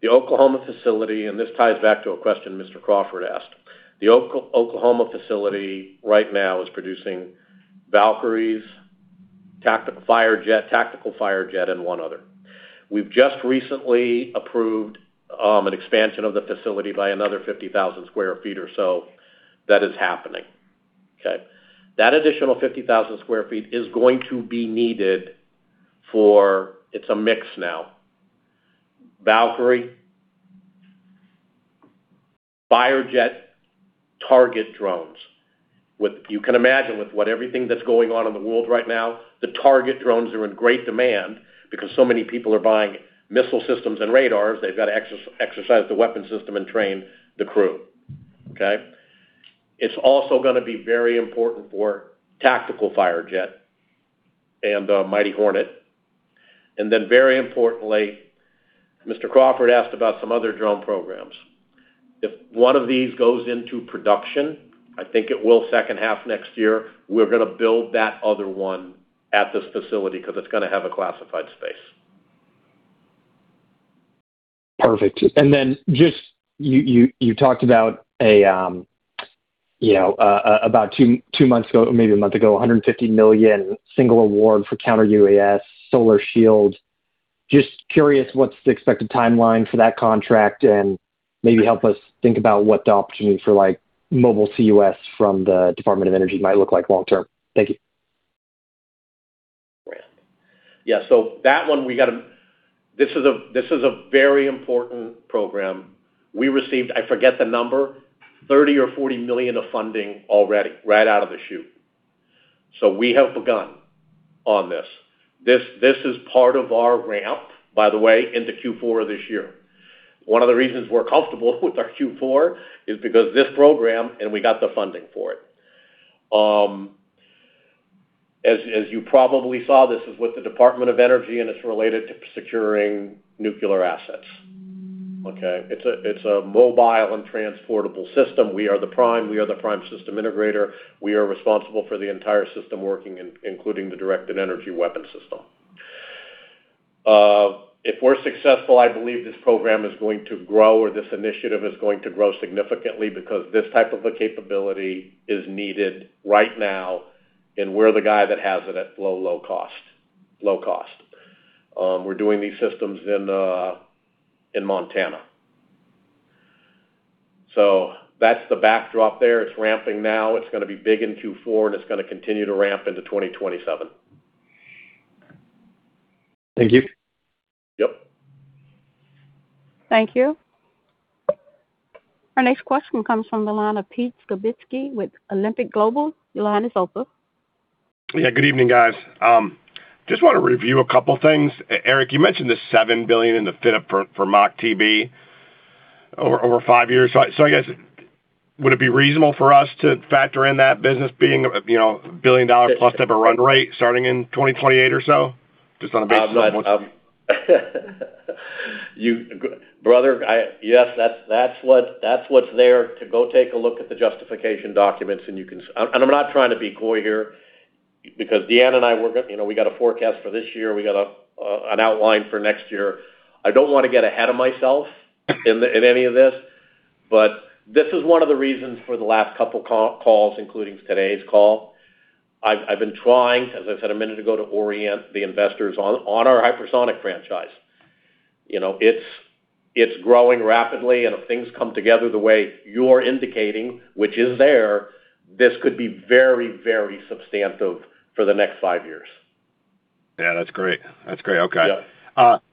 The Oklahoma facility, and this ties back to a question Mr. Crawford asked. The Oklahoma facility right now is producing Valkyries, Tactical Firejet, and one other. We've just recently approved an expansion of the facility by another 50,000 sq ft or so. That is happening. Okay? That additional 50,000 sq ft is going to be needed for, it's a mix now. Valkyrie, Firejet, target drones. You can imagine with everything that's going on in the world right now, the target drones are in great demand because so many people are buying missile systems and radars. They've got to exercise the weapon system and train the crew. Okay? It's also going to be very important for Tactical Firejet and Mighty Hornet. Then very importantly, Mr. Crawford asked about some other drone programs. If one of these goes into production, I think it will second half next year, we're going to build that other one at this facility because it's going to have a classified space. Perfect. You talked about two months ago, maybe a month ago, $150 million single award for counter UAS, Solar Shield. Just curious, what's the expected timeline for that contract? Maybe help us think about what the opportunity for mobile C-UAS from the Department of Energy might look like long term. Thank you. Yeah. This is a very important program. We received, I forget the number, $30 million or $40 million of funding already right out of the chute. We have begun on this. This is part of our ramp, by the way, into Q4 of this year. One of the reasons we're comfortable with our Q4 is because of this program, and we got the funding for it. As you probably saw, this is with the Department of Energy, and it's related to securing nuclear assets. Okay? It's a mobile and transportable system. We are the prime system integrator. We are responsible for the entire system working, including the directed energy weapon system. If we're successful, I believe this program is going to grow, or this initiative is going to grow significantly because this type of a capability is needed right now, and we're the guy that has it at low cost. We're doing these systems in Montana. That's the backdrop there. It's ramping now. It's going to be big in Q4, and it's going to continue to ramp into 2027. Thank you. Yep. Thank you. Our next question comes from the line of Pete Skibitski with Alembic Global. Your line is open. Yeah, good evening, guys. Just want to review a couple of things. Eric, you mentioned the $7 billion in the fit up for MACH-TB over five years. I guess, would it be reasonable for us to factor in that business being a billion-dollar-plus type of run rate starting in 2028 or so? Just on a basis of what? Brother, yes. That's what's there. Go take a look at the justification documents. I'm not trying to be coy here because Deanna and I, we got a forecast for this year. We got an outline for next year. I don't want to get ahead of myself in any of this, but this is one of the reasons for the last couple calls, including today's call. I've been trying, as I said a minute ago, to orient the investors on our hypersonic franchise. It's growing rapidly, and if things come together the way you're indicating, which is there, this could be very substantive for the next five years. Yeah, that's great. Okay.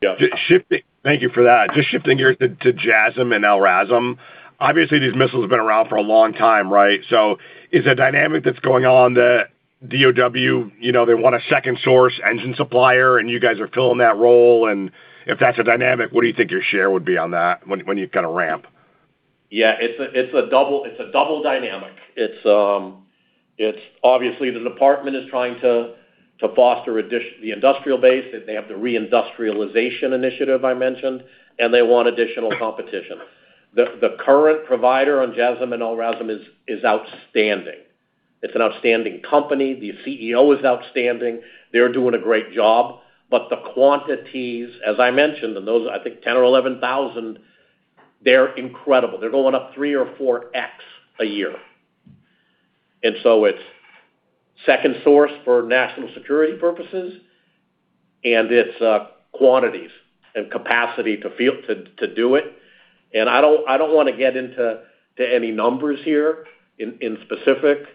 Yeah. Thank you for that. Just shifting gears to JASSM and LRASM. Obviously, these missiles have been around for a long time, right? Is the dynamic that's going on, the DoD, they want a second source engine supplier, and you guys are filling that role. If that's a dynamic, what do you think your share would be on that when you kind of ramp? Yeah, it's a double dynamic. Obviously, the department is trying to foster the industrial base. They have the reindustrialization initiative I mentioned, and they want additional competition. The current provider on JASSM and LRASM is outstanding. It's an outstanding company. The CEO is outstanding. They're doing a great job. The quantities, as I mentioned, and those, I think, 10,000 or 11,000, they're incredible. They're going up three or four X a year. It's second source for national security purposes, and it's quantities and capacity to do it. I don't want to get into any numbers here in specific,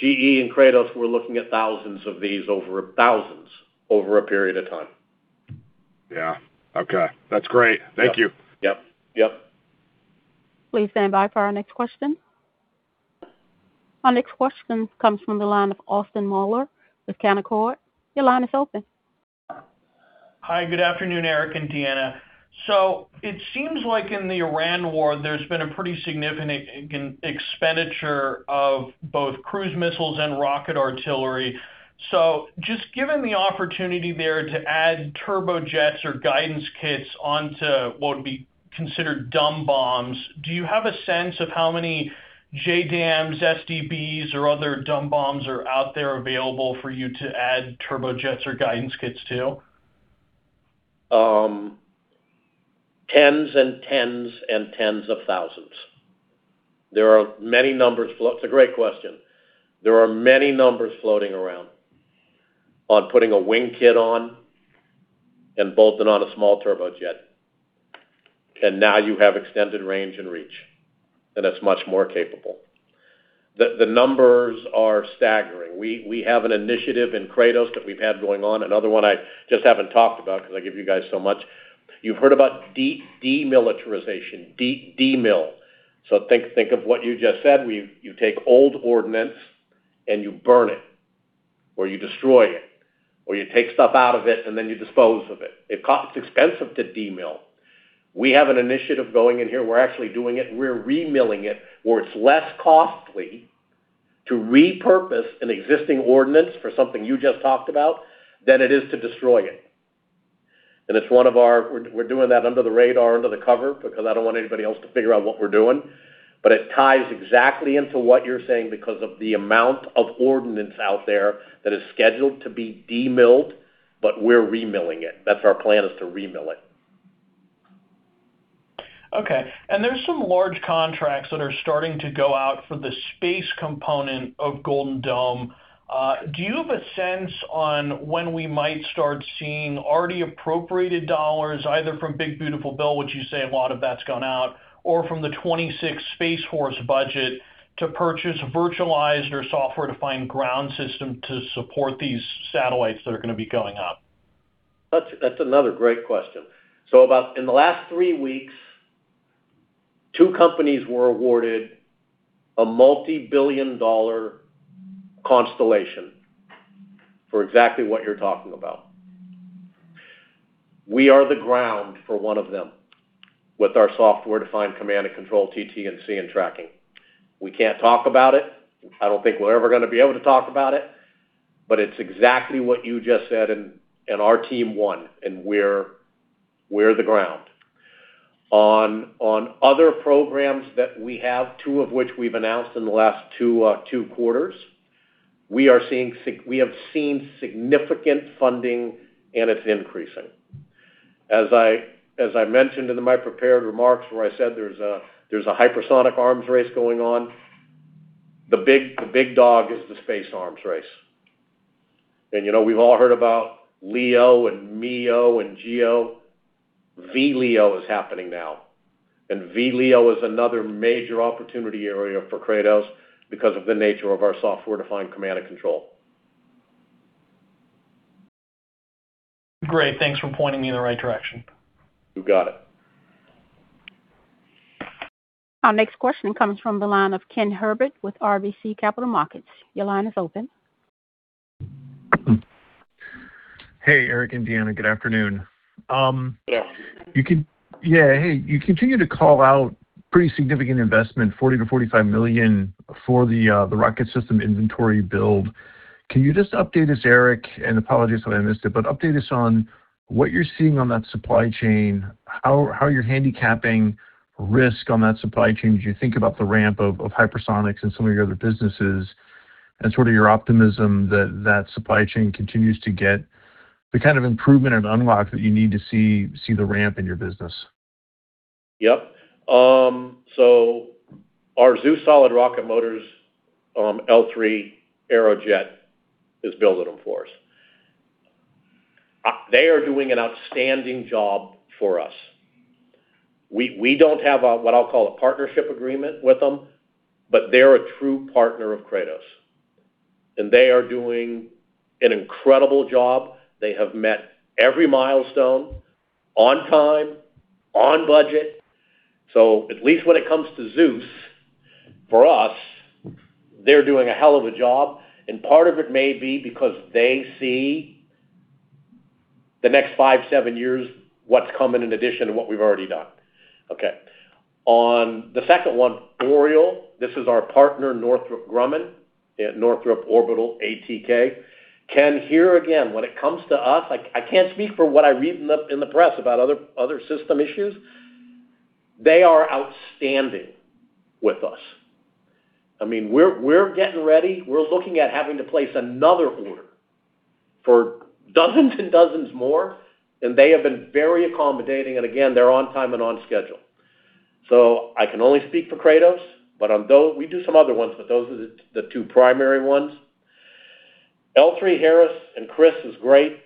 GE and Kratos, we're looking at thousands of these over a period of time. Yeah. Okay. That's great. Thank you. Yep. Please stand by for our next question. Our next question comes from the line of Austin Moeller with Canaccord. Your line is open. Hi. Good afternoon, Eric and Deanna. It seems like in the Iran war, there's been a pretty significant expenditure of both cruise missiles and rocket artillery. Just given the opportunity there to add turbojets or guidance kits onto what would be considered dumb bombs, do you have a sense of how many JDAMs, SDBs, or other dumb bombs are out there available for you to add turbojets or guidance kits to? Tens and tens and tens of thousands. It's a great question. There are many numbers floating around on putting a wing kit on and bolting on a small turbojet. Now you have extended range and reach, and it's much more capable. The numbers are staggering. We have an initiative in Kratos that we've had going on, another one I just haven't talked about because I give you guys so much. You've heard about demilitarization, DEMIL. Think of what you just said, where you take old ordnance and you burn it, or you destroy it, or you take stuff out of it, and then you dispose of it. It's expensive to DEMIL. We have an initiative going in here. We're actually doing it. We're remilling it where it's less costly to repurpose an existing ordnance for something you just talked about, than it is to destroy it. We're doing that under the radar, under the cover, because I don't want anybody else to figure out what we're doing. It ties exactly into what you're saying because of the amount of ordnance out there that is scheduled to be demilled, but we're remilling it. That's our plan, is to remill it. Okay. There's some large contracts that are starting to go out for the space component of Golden Dome. Do you have a sense on when we might start seeing already appropriated dollars, either from Big Beautiful Bill, which you say a lot of that's gone out, or from the 26th Space Force budget to purchase virtualized or software-defined ground system to support these satellites that are going to be going up? That's another great question. In the last three weeks, two companies were awarded a multi-billion dollar constellation for exactly what you're talking about. We are the ground for one of them with our software-defined command and control TT&C and tracking. We can't talk about it. I don't think we're ever going to be able to talk about it, but it's exactly what you just said, and our team won, and we're the ground. On other programs that we have, two of which we've announced in the last two quarters, we have seen significant funding, and it's increasing. As I mentioned in my prepared remarks where I said there's a hypersonic arms race going on. The big dog is the space arms race. We've all heard about LEO and MEO and GEO. VLEO is happening now. VLEO is another major opportunity area for Kratos because of the nature of our software-defined command and control. Great. Thanks for pointing me in the right direction. You got it. Our next question comes from the line of Ken Herbert with RBC Capital Markets. Your line is open. Hey, Eric and Deanna. Good afternoon. Yes. Yeah, hey. You continue to call out pretty significant investment, $40 million-$45 million for the rocket system inventory build. Can you just update us, Eric, and apologies if I missed it, update us on what you're seeing on that supply chain, how you're handicapping risk on that supply chain as you think about the ramp of hypersonics and some of your other businesses, and sort of your optimism that that supply chain continues to get the kind of improvement and unlock that you need to see the ramp in your business. Yep. Our Zeus solid rocket motors, L3 Aerojet is building them for us. They are doing an outstanding job for us. We don't have a, what I'll call a partnership agreement with them, but they're a true partner of Kratos. They are doing an incredible job. They have met every milestone on time, on budget. At least when it comes to Zeus, for us, they're doing a hell of a job, and part of it may be because they see the next five, seven years, what's coming in addition to what we've already done. Okay. On the second one, Oriole, this is our partner, Northrop Grumman at Northrop Orbital ATK. Ken, here again, when it comes to us, I can't speak for what I read in the press about other system issues. They are outstanding with us. We're getting ready. We're looking at having to place another order for dozens and dozens more. They have been very accommodating. Again, they're on time and on schedule. I can only speak for Kratos. We do some other ones, but those are the two primary ones. L3Harris and Chris is great.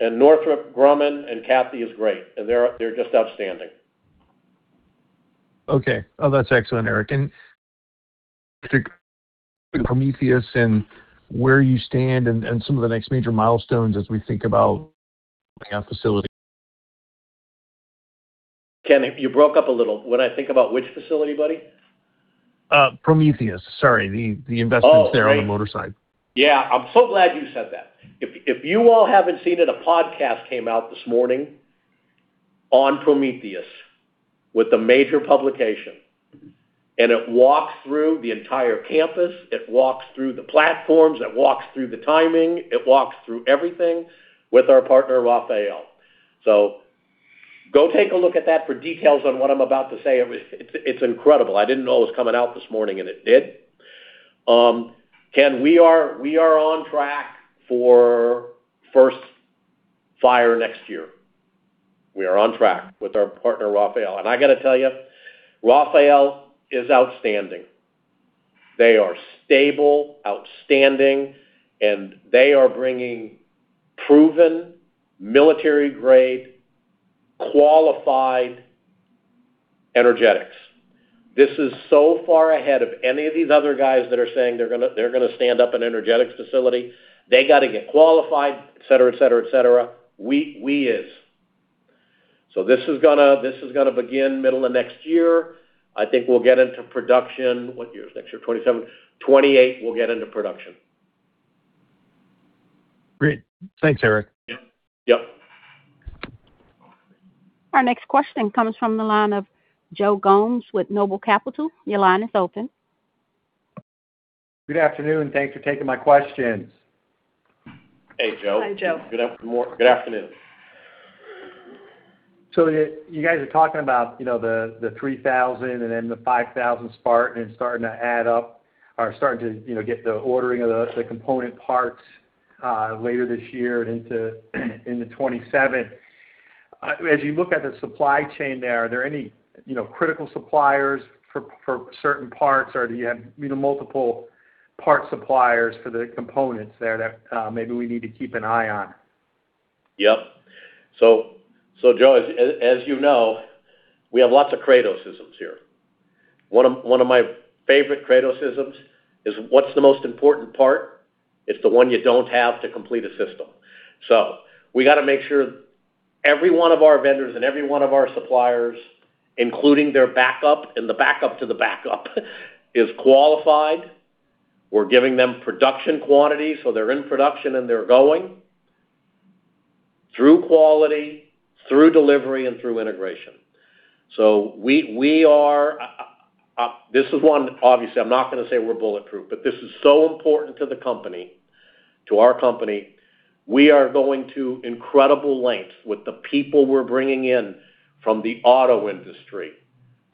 Northrop Grumman and Kathy is great. They're just outstanding. Okay. Oh, that's excellent, Eric. To Prometheus and where you stand and some of the next major milestones as we think about that facility. Ken, you broke up a little. When I think about which facility, buddy? Prometheus. Sorry. Oh, great there on the motor side. Yeah. I'm so glad you said that. If you all haven't seen it, a podcast came out this morning on Prometheus with a major publication. It walks through the entire campus. It walks through the platforms. It walks through the timing. It walks through everything with our partner, Rafael. Go take a look at that for details on what I'm about to say. It's incredible. I didn't know it was coming out this morning, and it did. Ken, we are on track for first fire next year. We are on track with our partner, Rafael. I got to tell you, Rafael is outstanding. They are stable, outstanding, and they are bringing proven military-grade, qualified energetics. This is so far ahead of any of these other guys that are saying they're going to stand up an energetics facility. They got to get qualified, et cetera. We is. This is going to begin middle of next year. I think we'll get into production, what year is next year? 2027? 2028, we'll get into production. Great. Thanks, Eric. Yep. Our next question comes from the line of Joe Gomes with Noble Capital. Your line is open. Good afternoon. Thanks for taking my questions. Hey, Joe. Hi, Joe. Good afternoon. You guys are talking about the 3,000 and then the 5,000 Spartan starting to add up, or starting to get the ordering of the component parts later this year and into 2027. As you look at the supply chain there, are there any critical suppliers for certain parts or do you have multiple part suppliers for the components there that maybe we need to keep an eye on? Yep. Joe, as you know, we have lots of Kratos-isms here. One of my favorite Kratos-isms is what's the most important part? It's the one you don't have to complete a system. We got to make sure every one of our vendors and every one of our suppliers, including their backup and the backup to the backup, is qualified. We're giving them production quantity, so they're in production and they're going through quality, through delivery, and through integration. Obviously, I'm not going to say we're bulletproof. This is so important to the company, to our company. We are going to incredible lengths with the people we're bringing in from the auto industry,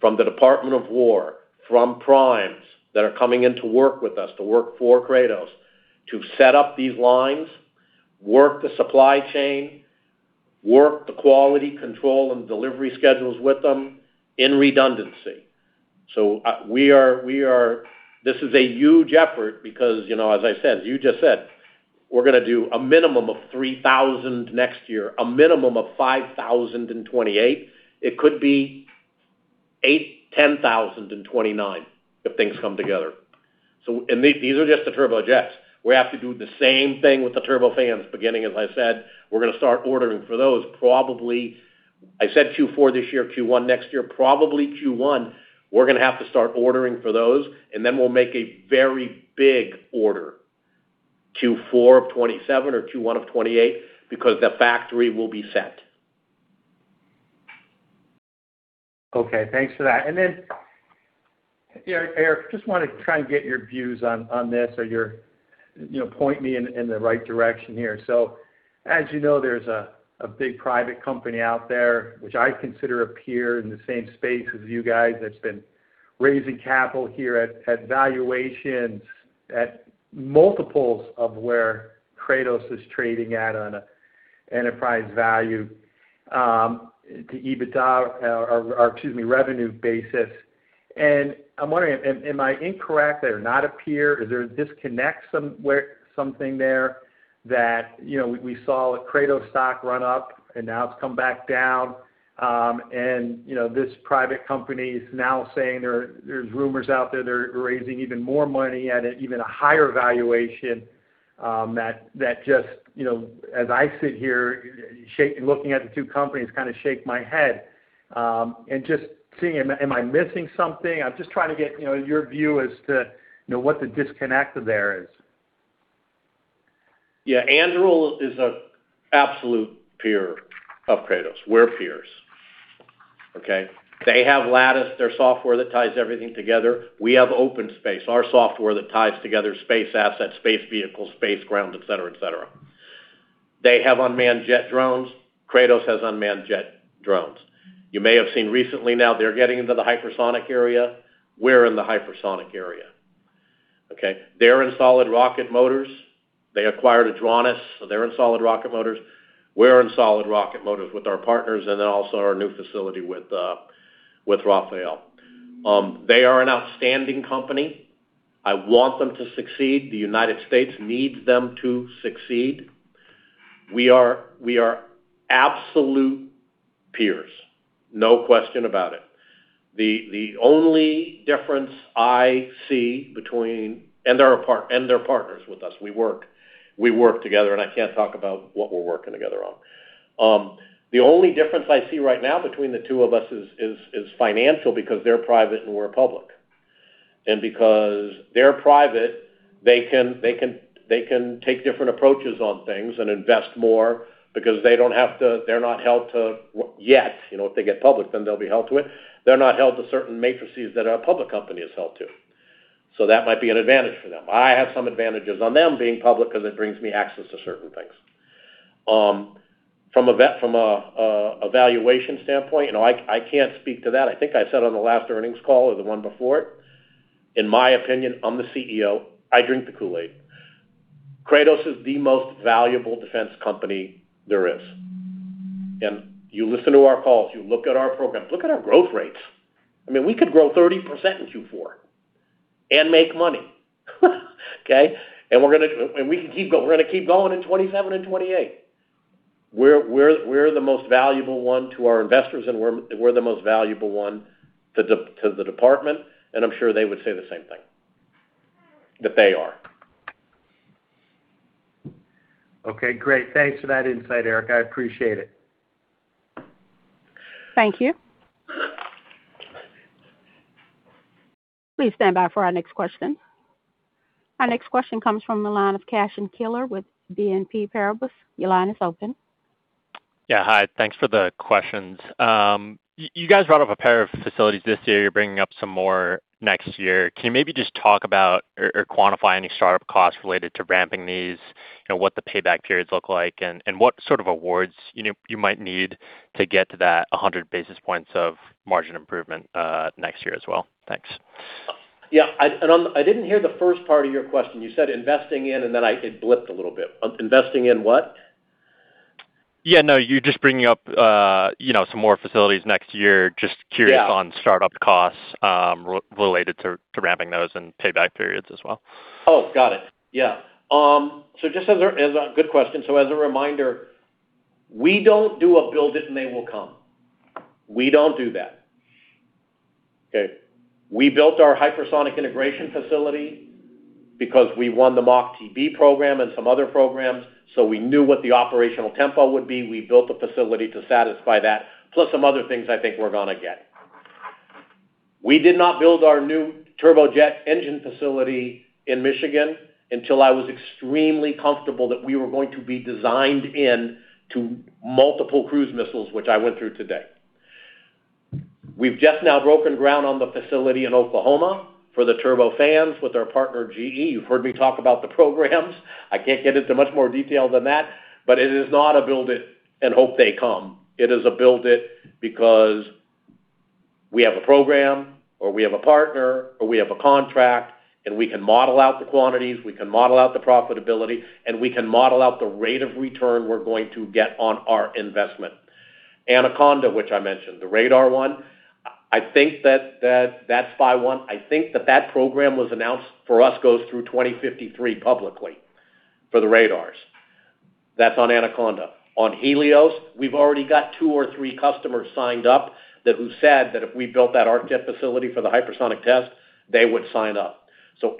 from the Department of Defense, from primes that are coming in to work with us, to work for Kratos, to set up these lines, work the supply chain, work the quality control and delivery schedules with them in redundancy. This is a huge effort because as I said, you just said, we're going to do a minimum of 3,000 next year, a minimum of 5,000 in 2028. It could be 8,000, 10,000 in 2029 if things come together. These are just the turbojets. We have to do the same thing with the turbofans beginning, as I said, we're going to start ordering for those probably, I said Q4 this year, Q1 next year. Probably Q1, we're going to have to start ordering for those, then we'll make a very big order Q4 of 2027 or Q1 of 2028 because the factory will be set. Okay, thanks for that. Then, Eric, just want to try and get your views on this or point me in the right direction here. As you know, there's a big private company out there, which I consider a peer in the same space as you guys that's been raising capital here at valuations, at multiples of where Kratos is trading at on an enterprise value to EBITDA or, excuse me, revenue basis. I'm wondering, am I incorrect? They are not a peer? Is there a disconnect something there that we saw Kratos stock run up, and now it's come back down. This private company is now saying there's rumors out there they're raising even more money at an even higher valuation, that just as I sit here looking at the two companies kind of shake my head. Just seeing, am I missing something? I'm just trying to get your view as to what the disconnect there is. Yeah. Anduril is an absolute peer of Kratos. We're peers. Okay? They have Lattice, their software that ties everything together. We have OpenSpace, our software that ties together space assets, space vehicles, space ground, et cetera. They have unmanned jet drones. Kratos has unmanned jet drones. You may have seen recently now they're getting into the hypersonic area. We're in the hypersonic area. Okay? They're in solid rocket motors. They acquired Adranos. They're in solid rocket motors. We're in solid rocket motors with our partners, and then also our new facility with Rafael. They are an outstanding company. I want them to succeed. The United States needs them to succeed. We are absolute peers, no question about it. The only difference I see. They're partners with us. We work together, and I can't talk about what we're working together on. The only difference I see right now between the two of us is financial because they're private and we're public. Because they're private, they can take different approaches on things and invest more because they're not held to, yet, if they get public, then they'll be held to it. They're not held to certain matrices that a public company is held to. That might be an advantage for them. I have some advantages on them being public because it brings me access to certain things. From a valuation standpoint, I can't speak to that. I think I said on the last earnings call or the one before it, in my opinion, I'm the CEO, I drink the Kool-Aid. Kratos is the most valuable defense company there is. You listen to our calls, you look at our programs, look at our growth rates. We could grow 30% in Q4 and make money. Okay? We're going to keep going in 2027 and 2028. We're the most valuable one to our investors. We're the most valuable one to the Department, I'm sure they would say the same thing, that they are. Okay, great. Thanks for that insight, Eric. I appreciate it. Thank you. Please stand by for our next question. Our next question comes from the line of Cashen Keeler with BNP Paribas. Your line is open. Yeah. Hi. Thanks for the questions. You guys brought up a pair of facilities this year. You're bringing up some more next year. Can you maybe just talk about or quantify any startup costs related to ramping these? What the payback periods look like, and what sort of awards you might need to get to that 100 basis points of margin improvement, next year as well? Thanks. Yeah. I didn't hear the first part of your question. You said investing in, and then it blipped a little bit. Investing in what? Yeah, no, you just bringing up some more facilities next year. Yeah. Just curious on startup costs, related to ramping those and payback periods as well. Oh, got it. Yeah. Good question. As a reminder, we don't do a build it and they will come. We don't do that. Okay. We built our hypersonic integration facility because we won the MACH-TB program and some other programs, so we knew what the operational tempo would be. We built a facility to satisfy that, plus some other things I think we're going to get. We did not build our new turbojet engine facility in Michigan until I was extremely comfortable that we were going to be designed in to multiple cruise missiles, which I went through today. We've just now broken ground on the facility in Oklahoma for the turbofans with our partner, GE. You've heard me talk about the programs. I can't get into much more detail than that, it is not a build it and hope they come. It is a build it because we have a program, or we have a partner, or we have a contract, and we can model out the quantities, we can model out the profitability, and we can model out the rate of return we're going to get on our investment. Anaconda, which I mentioned, the radar one. I think that's FY1. I think that that program was announced for us, goes through 2053 publicly for the radars. That's on Anaconda. On Helios, we've already got two or three customers signed up who said that if we built that arc jet facility for the hypersonic test, they would sign up.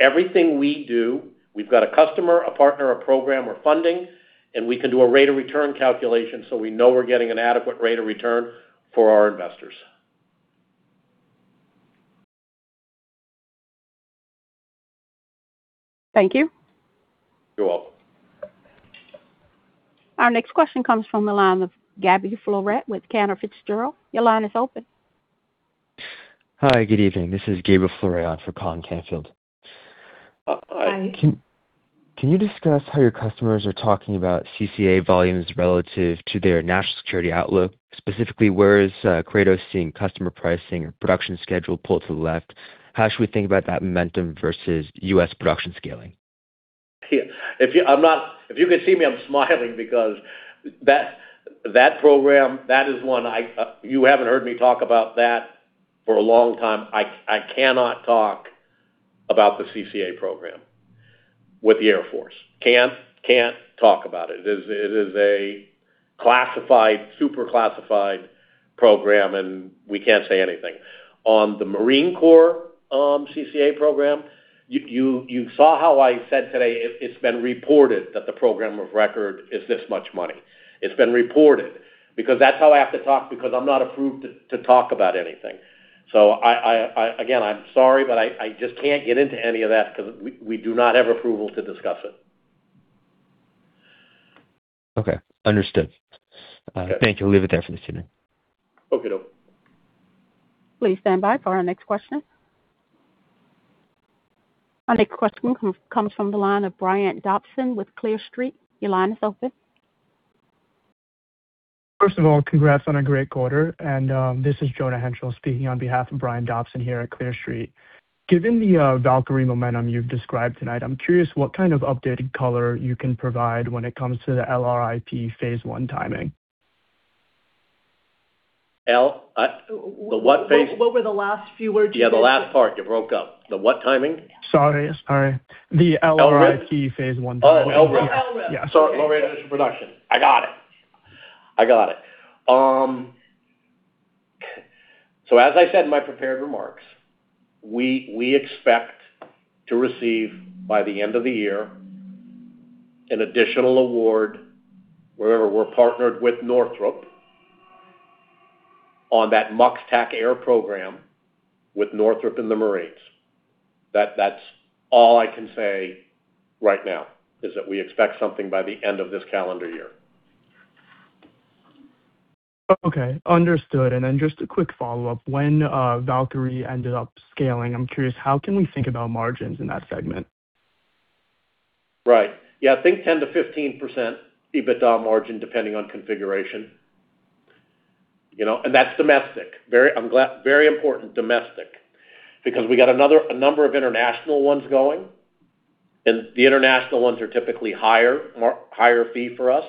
Everything we do, we've got a customer, a partner, a program, or funding, and we can do a rate of return calculation so we know we're getting an adequate rate of return for our investors. Thank you. You're welcome. Our next question comes from the line of Gabriel Flouret with Cantor Fitzgerald. Your line is open. Hi, good evening. This is Gabriel Flouret for Cantor Fitzgerald. Hi. Can you discuss how your customers are talking about CCA volumes relative to their national security outlook? Specifically, where is Kratos seeing customer pricing or production schedule pull to the left? How should we think about that momentum versus U.S. production scaling? If you can see me, I'm smiling because that program, that is one you haven't heard me talk about that for a long time. I cannot talk about the CCA program with the Air Force. Can't talk about it. It is a super classified program. We can't say anything. On the Marine Corps CCA program, you saw how I said today it's been reported that the program of record is this much money. It's been reported. That's how I have to talk, because I'm not approved to talk about anything. Again, I'm sorry, but I just can't get into any of that because we do not have approval to discuss it. Okay, understood. Okay. Thank you. We'll leave it there for this evening. Okey doke. Please stand by for our next question. Our next question comes from the line of Brian Dobson with Clear Street. Your line is open. First of all, congrats on a great quarter. This is Jonah Henschel speaking on behalf of Brian Dobson here at Clear Street. Given the Valkyrie momentum you've described tonight, I'm curious what kind of updated color you can provide when it comes to the LRIP phase one timing. The what phase? What were the last few words you said? Yeah, the last part. You broke up. The what timing? Sorry. The LRIP- LRIP phase one timing. Oh, LRIP. The LRIP. Yeah. Sorry. Low-rate initial production. I got it. As I said in my prepared remarks, we expect to receive by the end of the year, an additional award, where we're partnered with Northrop on that MUX TACAIR program with Northrop and the Marines. That's all I can say right now, is that we expect something by the end of this calendar year. Okay, understood. Just a quick follow-up. When Valkyrie ended up scaling, I'm curious, how can we think about margins in that segment? Right. Yeah, think 10%-15% EBITDA margin, depending on configuration. That's domestic. Very important, domestic. We got a number of international ones going, and the international ones are typically higher fee for us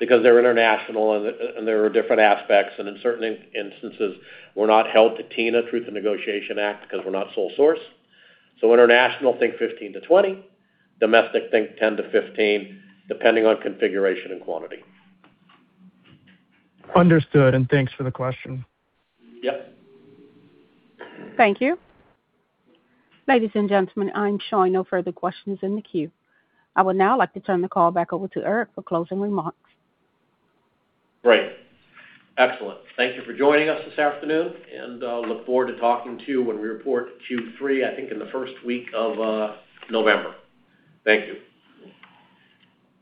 because they're international, and there are different aspects, and in certain instances, we're not held to TINA, Truth in Negotiations Act, because we're not sole source. International, think 15%-20%. Domestic, think 10%-15%, depending on configuration and quantity. Understood, and thanks for the question. Yep. Thank you. Ladies and gentlemen, I'm showing no further questions in the queue. I would now like to turn the call back over to Eric for closing remarks. Great. Excellent. Thank you for joining us this afternoon, and I'll look forward to talking to you when we report Q3, I think in the first week of November. Thank you.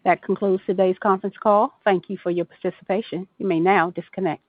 That concludes today's conference call. Thank you for your participation. You may now disconnect.